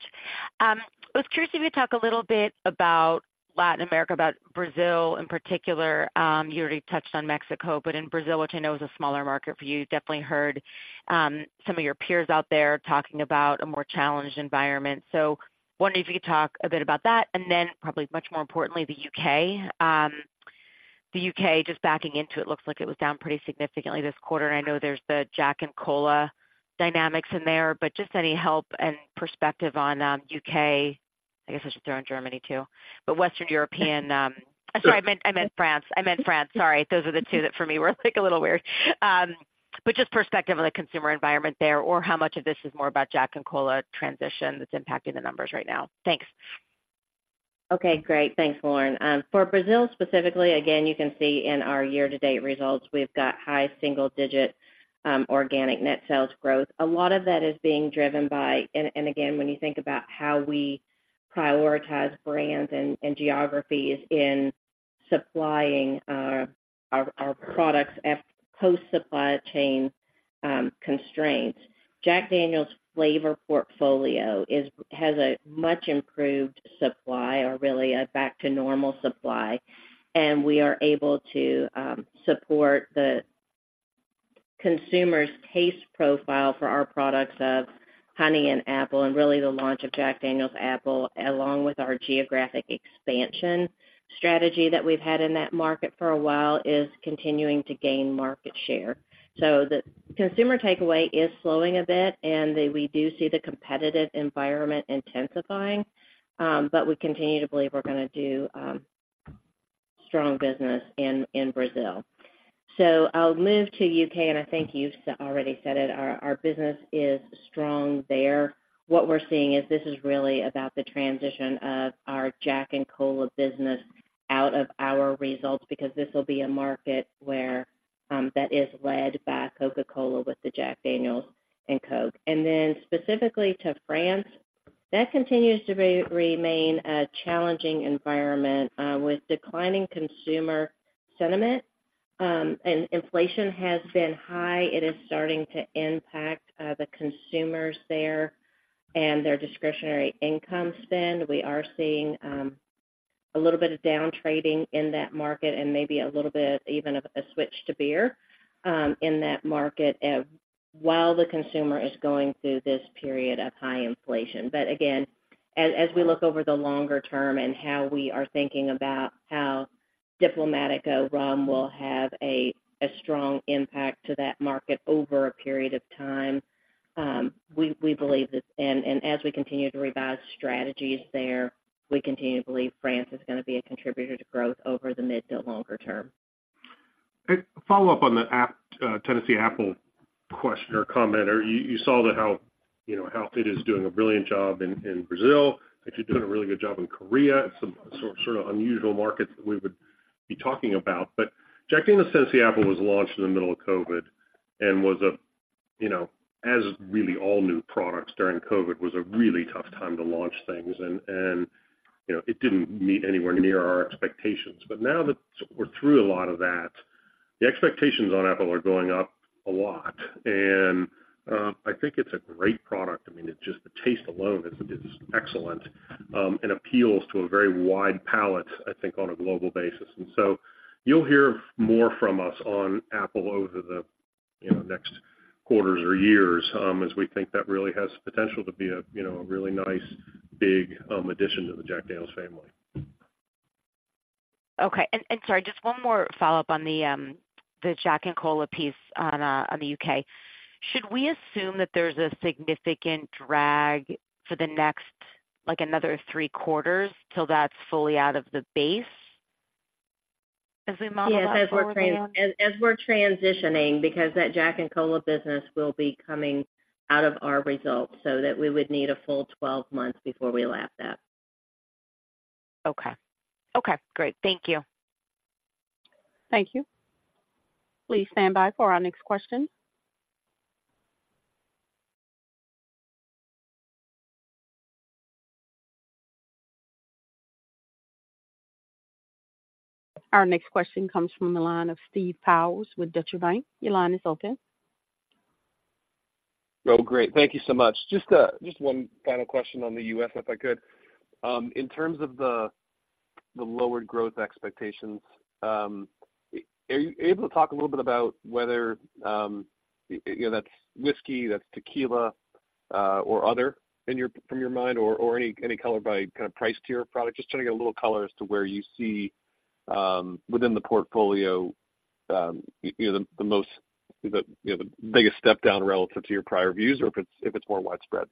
I was curious if you could talk a little bit about Latin America, about Brazil in particular. You already touched on Mexico, but in Brazil, which I know is a smaller market for you, definitely heard some of your peers out there talking about a more challenged environment. So wondering if you could talk a bit about that, and then probably much more importantly, the U.K. The U.K., just backing into it, looks like it was down pretty significantly this quarter, and I know there's the Jack and Coke dynamics in there, but just any help and perspective on U.K. I guess I should throw in Germany, too. But Western European, sorry, I meant, I meant France. I meant France. Sorry. Those are the two that for me, were, like, a little weird. But just perspective on the consumer environment there, or how much of this is more about Jack and Coke transition that's impacting the numbers right now? Thanks. Okay, great. Thanks, Lauren. For Brazil, specifically, again, you can see in our year-to-date results, we've got high single digit organic net sales growth. A lot of that is being driven by, and again, when you think about how we prioritize brands and geographies in supplying our products at post-supply chain constraints. Jack Daniel's flavor portfolio has a much improved supply or really a back to normal supply, and we are able to support the consumer's taste profile for our products of honey and apple, and really the launch of Jack Daniel's Apple, along with our geographic expansion strategy that we've had in that market for a while, is continuing to gain market share. So the consumer takeaway is slowing a bit, and we do see the competitive environment intensifying, but we continue to believe we're gonna do strong business in Brazil. So I'll move to U.K., and I think you've already said it. Our business is strong there. What we're seeing is this is really about the transition of our Jack and Coke business out of our results, because this will be a market where that is led by Coca-Cola with the Jack Daniel's and Coke. And then specifically to France, that continues to remain a challenging environment with declining consumer sentiment, and inflation has been high. It is starting to impact the consumers there and their discretionary income spend. We are seeing a little bit of down trading in that market and maybe a little bit even of a switch to beer in that market while the consumer is going through this period of high inflation. But again, as we look over the longer term and how we are thinking about how Diplomático Rum will have a strong impact to that market over a period of time, we believe that—and as we continue to revise strategies there, we continue to believe France is gonna be a contributor to growth over the mid to longer term. A follow-up on the Apple Tennessee Apple question or comment, or you saw that how, you know, how it is doing a brilliant job in Brazil. I think you're doing a really good job in Korea, and some sort of unusual markets that we would be talking about. But Jack Daniel's Tennessee Apple was launched in the middle of COVID and was, you know, as really all new products during COVID, a really tough time to launch things. And you know, it didn't meet anywhere near our expectations. But now that we're through a lot of that, the expectations on Apple are going up a lot, and I think it's a great product. I mean, it's just the taste alone is excellent and appeals to a very wide palate, I think, on a global basis. You'll hear more from us on Apple over the, you know, next quarters or years, as we think that really has potential to be a, you know, a really nice, big addition to the Jack Daniel's family. Okay, and sorry, just one more follow-up on the Jack and Coke piece on the UK. Should we assume that there's a significant drag for the next, like, another 3 quarters till that's fully out of the base as we model that forward? Yes, as we're transitioning, because that Jack and Coke business will be coming out of our results, so that we would need a full 12 months before we lap that. Okay. Okay, great. Thank you. Thank you. Please stand by for our next question. Our next question comes from the line of Steve Powers with Deutsche Bank. Your line is open. Oh, great. Thank you so much. Just, just one final question on the U.S., if I could. In terms of the, the lowered growth expectations, are you able to talk a little bit about whether, you know, that's whiskey, that's tequila, or other in your—from your mind or, or any, any color by kind of price tier product? Just trying to get a little color as to where you see, within the portfolio, you know, the, the most, the, you know, the biggest step down relative to your prior views, or if it's, if it's more widespread.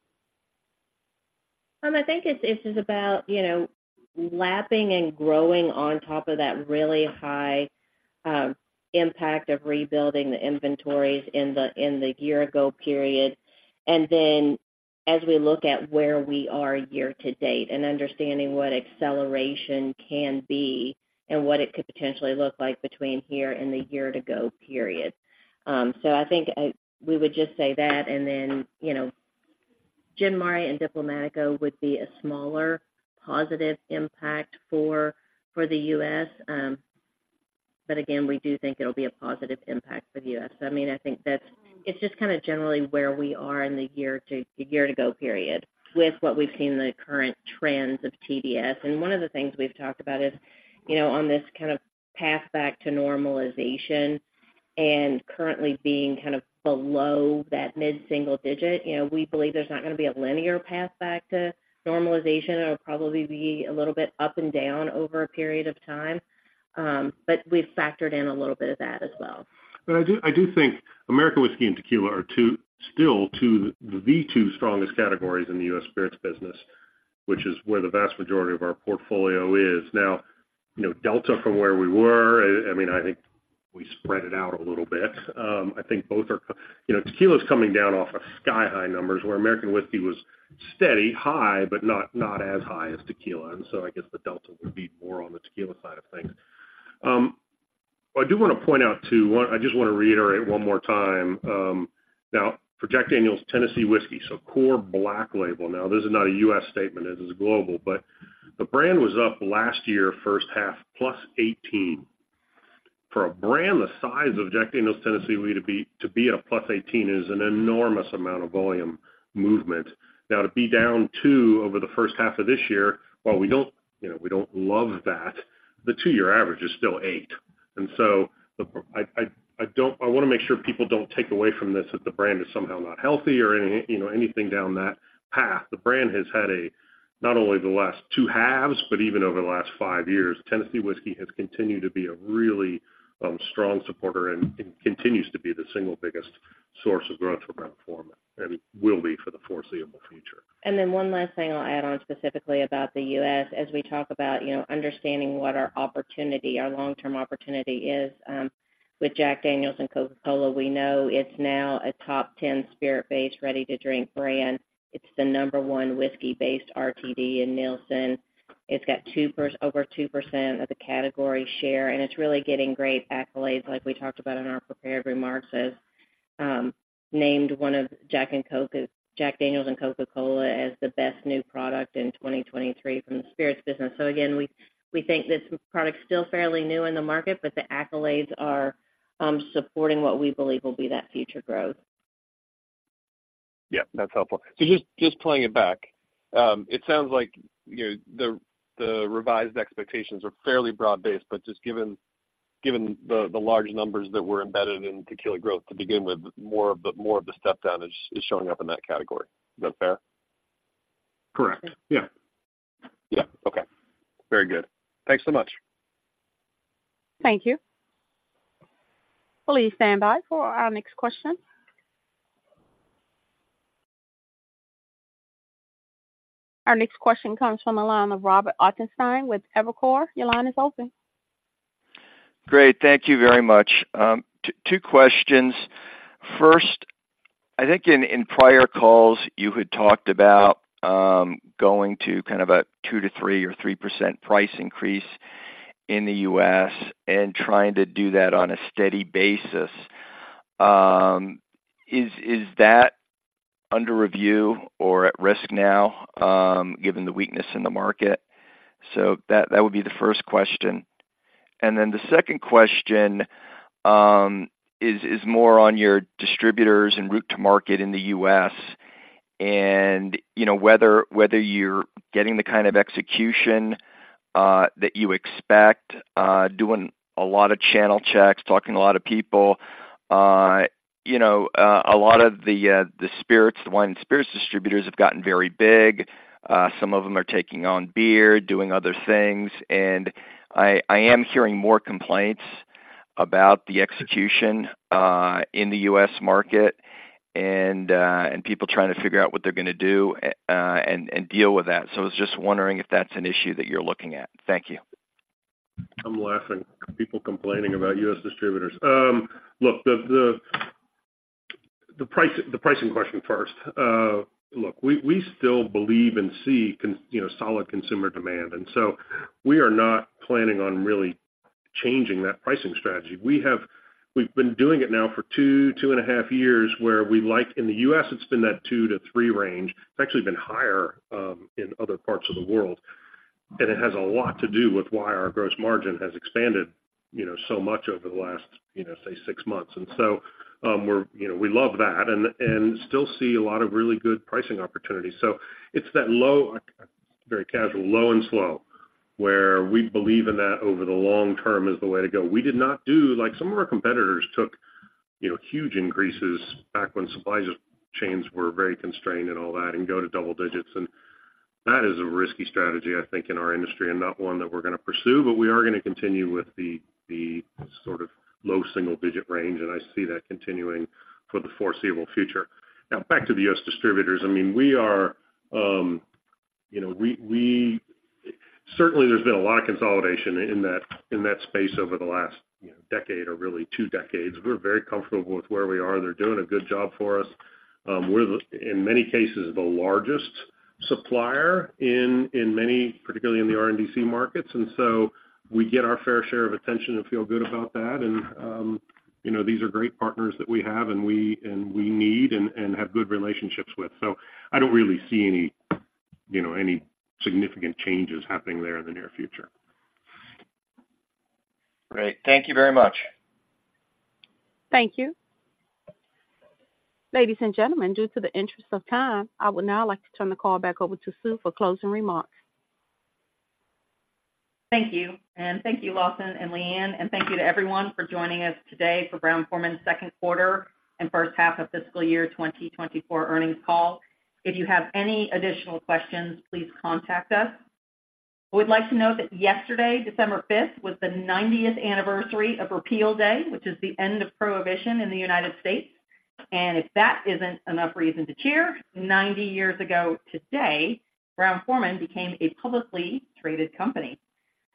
I think it's, this is about, you know, lapping and growing on top of that really high impact of rebuilding the inventories in the, in the year ago period. And then as we look at where we are year to date and understanding what acceleration can be and what it could potentially look like between here and the year ago period. So I think we would just say that, and then, El Jimador and Diplomático would be a smaller positive impact for, for the U.S. But again, we do think it'll be a positive impact for the U.S. I mean, I think that's it just kind of generally where we are in the year to, the year-to-go period, with what we've seen in the current trends of TDS. One of the things we've talked about is, you know, on this kind of path back to normalization and currently being kind of below that mid-single digit, you know, we believe there's not gonna be a linear path back to normalization. It'll probably be a little bit up and down over a period of time, but we've factored in a little bit of that as well. But I do, I do think American whiskey and tequila are two still two, the two strongest categories in the U.S. spirits business, which is where the vast majority of our portfolio is. Now, you know, delta from where we were, I mean, I think we spread it out a little bit. I think both are... You know, tequila is coming down off of sky-high numbers, where American whiskey was steady, high, but not, not as high as tequila. And so I guess the delta would be more on the tequila side of things. I do wanna point out, too, one, I just wanna reiterate one more time, now, for Jack Daniel's Tennessee Whiskey, so core Black label. Now, this is not a U.S. statement, this is global, but the brand was up last year, first half, +18. For a brand the size of Jack Daniel's Tennessee, we to be at a +18 is an enormous amount of volume movement. Now, to be down 2 over the first half of this year, while we don't, you know, we don't love that, the two-year average is still 8. And so I don't... I wanna make sure people don't take away from this, that the brand is somehow not healthy or any, you know, anything down that path. The brand has had a, not only the last two halves, but even over the last five years, Tennessee Whiskey has continued to be a really strong supporter and continues to be the single biggest source of growth for Brown-Forman, and will be for the foreseeable future. And then one last thing I'll add on specifically about the US. As we talk about, you know, understanding what our opportunity, our long-term opportunity is, with Jack Daniel's and Coca-Cola, we know it's now a top 10 spirit-based, ready-to-drink brand. It's the number one whiskey-based RTD in Nielsen. It's got over 2% of the category share, and it's really getting great accolades, like we talked about in our prepared remarks, as named one of Jack and Coke, Jack Daniel's and Coca-Cola, as the best new product in 2023 from The Spirits Business. So again, we, we think this product's still fairly new in the market, but the accolades are supporting what we believe will be that future growth. Yeah, that's helpful. So just playing it back. It sounds like, you know, the revised expectations are fairly broad-based, but just given the large numbers that were embedded in tequila growth to begin with, more of the step down is showing up in that category. Is that fair? Correct. Yeah. Yeah. Okay. Very good. Thanks so much. Thank you. Please stand by for our next question. Our next question comes from the line of Robert Ottenstein with Evercore. Your line is open. Great. Thank you very much. Two questions. First, I think in prior calls, you had talked about going to kind of a 2%-3% or 3% price increase in the U.S. and trying to do that on a steady basis. Is that under review or at risk now, given the weakness in the market? That would be the first question. And then the second question is more on your distributors and route to market in the U.S., and you know, whether you're getting the kind of execution that you expect, doing a lot of channel checks, talking to a lot of people. You know, a lot of the spirits, the wine and spirits distributors have gotten very big. Some of them are taking on beer, doing other things, and I am hearing more complaints about the execution in the U.S. market and people trying to figure out what they're gonna do and deal with that. So I was just wondering if that's an issue that you're looking at. Thank you. I'm laughing. People complaining about U.S. distributors. Look, the pricing question first. Look, we still believe and see, you know, solid consumer demand, and so we are not planning on really changing that pricing strategy. We've been doing it now for 2-2.5 years, where we like, in the U.S., it's been that 2-3 range. It's actually been higher in other parts of the world. And it has a lot to do with why our gross margin has expanded, you know, so much over the last, you know, say, 6 months. And so, we're, you know, we love that and still see a lot of really good pricing opportunities. So it's that low, very casual, low and slow, where we believe in that over the long term is the way to go. We did not do like some of our competitors took, you know, huge increases back when supply chains were very constrained and all that, and go to double digits. That is a risky strategy, I think, in our industry, and not one that we're gonna pursue. But we are gonna continue with the sort of low single digit range, and I see that continuing for the foreseeable future. Now, back to the U.S. distributors. I mean, we are, you know, certainly there's been a lot of consolidation in that space over the last, you know, decade or really two decades. We're very comfortable with where we are. They're doing a good job for us. We're, in many cases, the largest supplier in many, particularly in the RNDC markets, and so we get our fair share of attention and feel good about that. You know, these are great partners that we have, and we need and have good relationships with. So I don't really see any, you know, any significant changes happening there in the near future. Great. Thank you very much. Thank you. Ladies and gentlemen, due to the interest of time, I would now like to turn the call back over to Sue for closing remarks. Thank you. And thank you, Lawson and Leanne, and thank you to everyone for joining us today for Brown-Forman's Q2 and first half of fiscal year 2024 earnings call. If you have any additional questions, please contact us. We'd like to note that yesterday, December fifth, was the 90th anniversary of Repeal Day, which is the end of Prohibition in the United States. And if that isn't enough reason to cheer, 90 years ago today, Brown-Forman became a publicly traded company.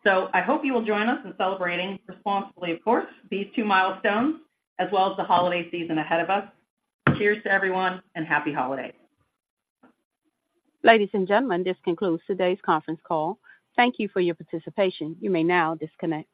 So I hope you will join us in celebrating, responsibly, of course, these two milestones, as well as the holiday season ahead of us. Cheers to everyone, and happy holidays. Ladies and gentlemen, this concludes today's conference call. Thank you for your participation. You may now disconnect.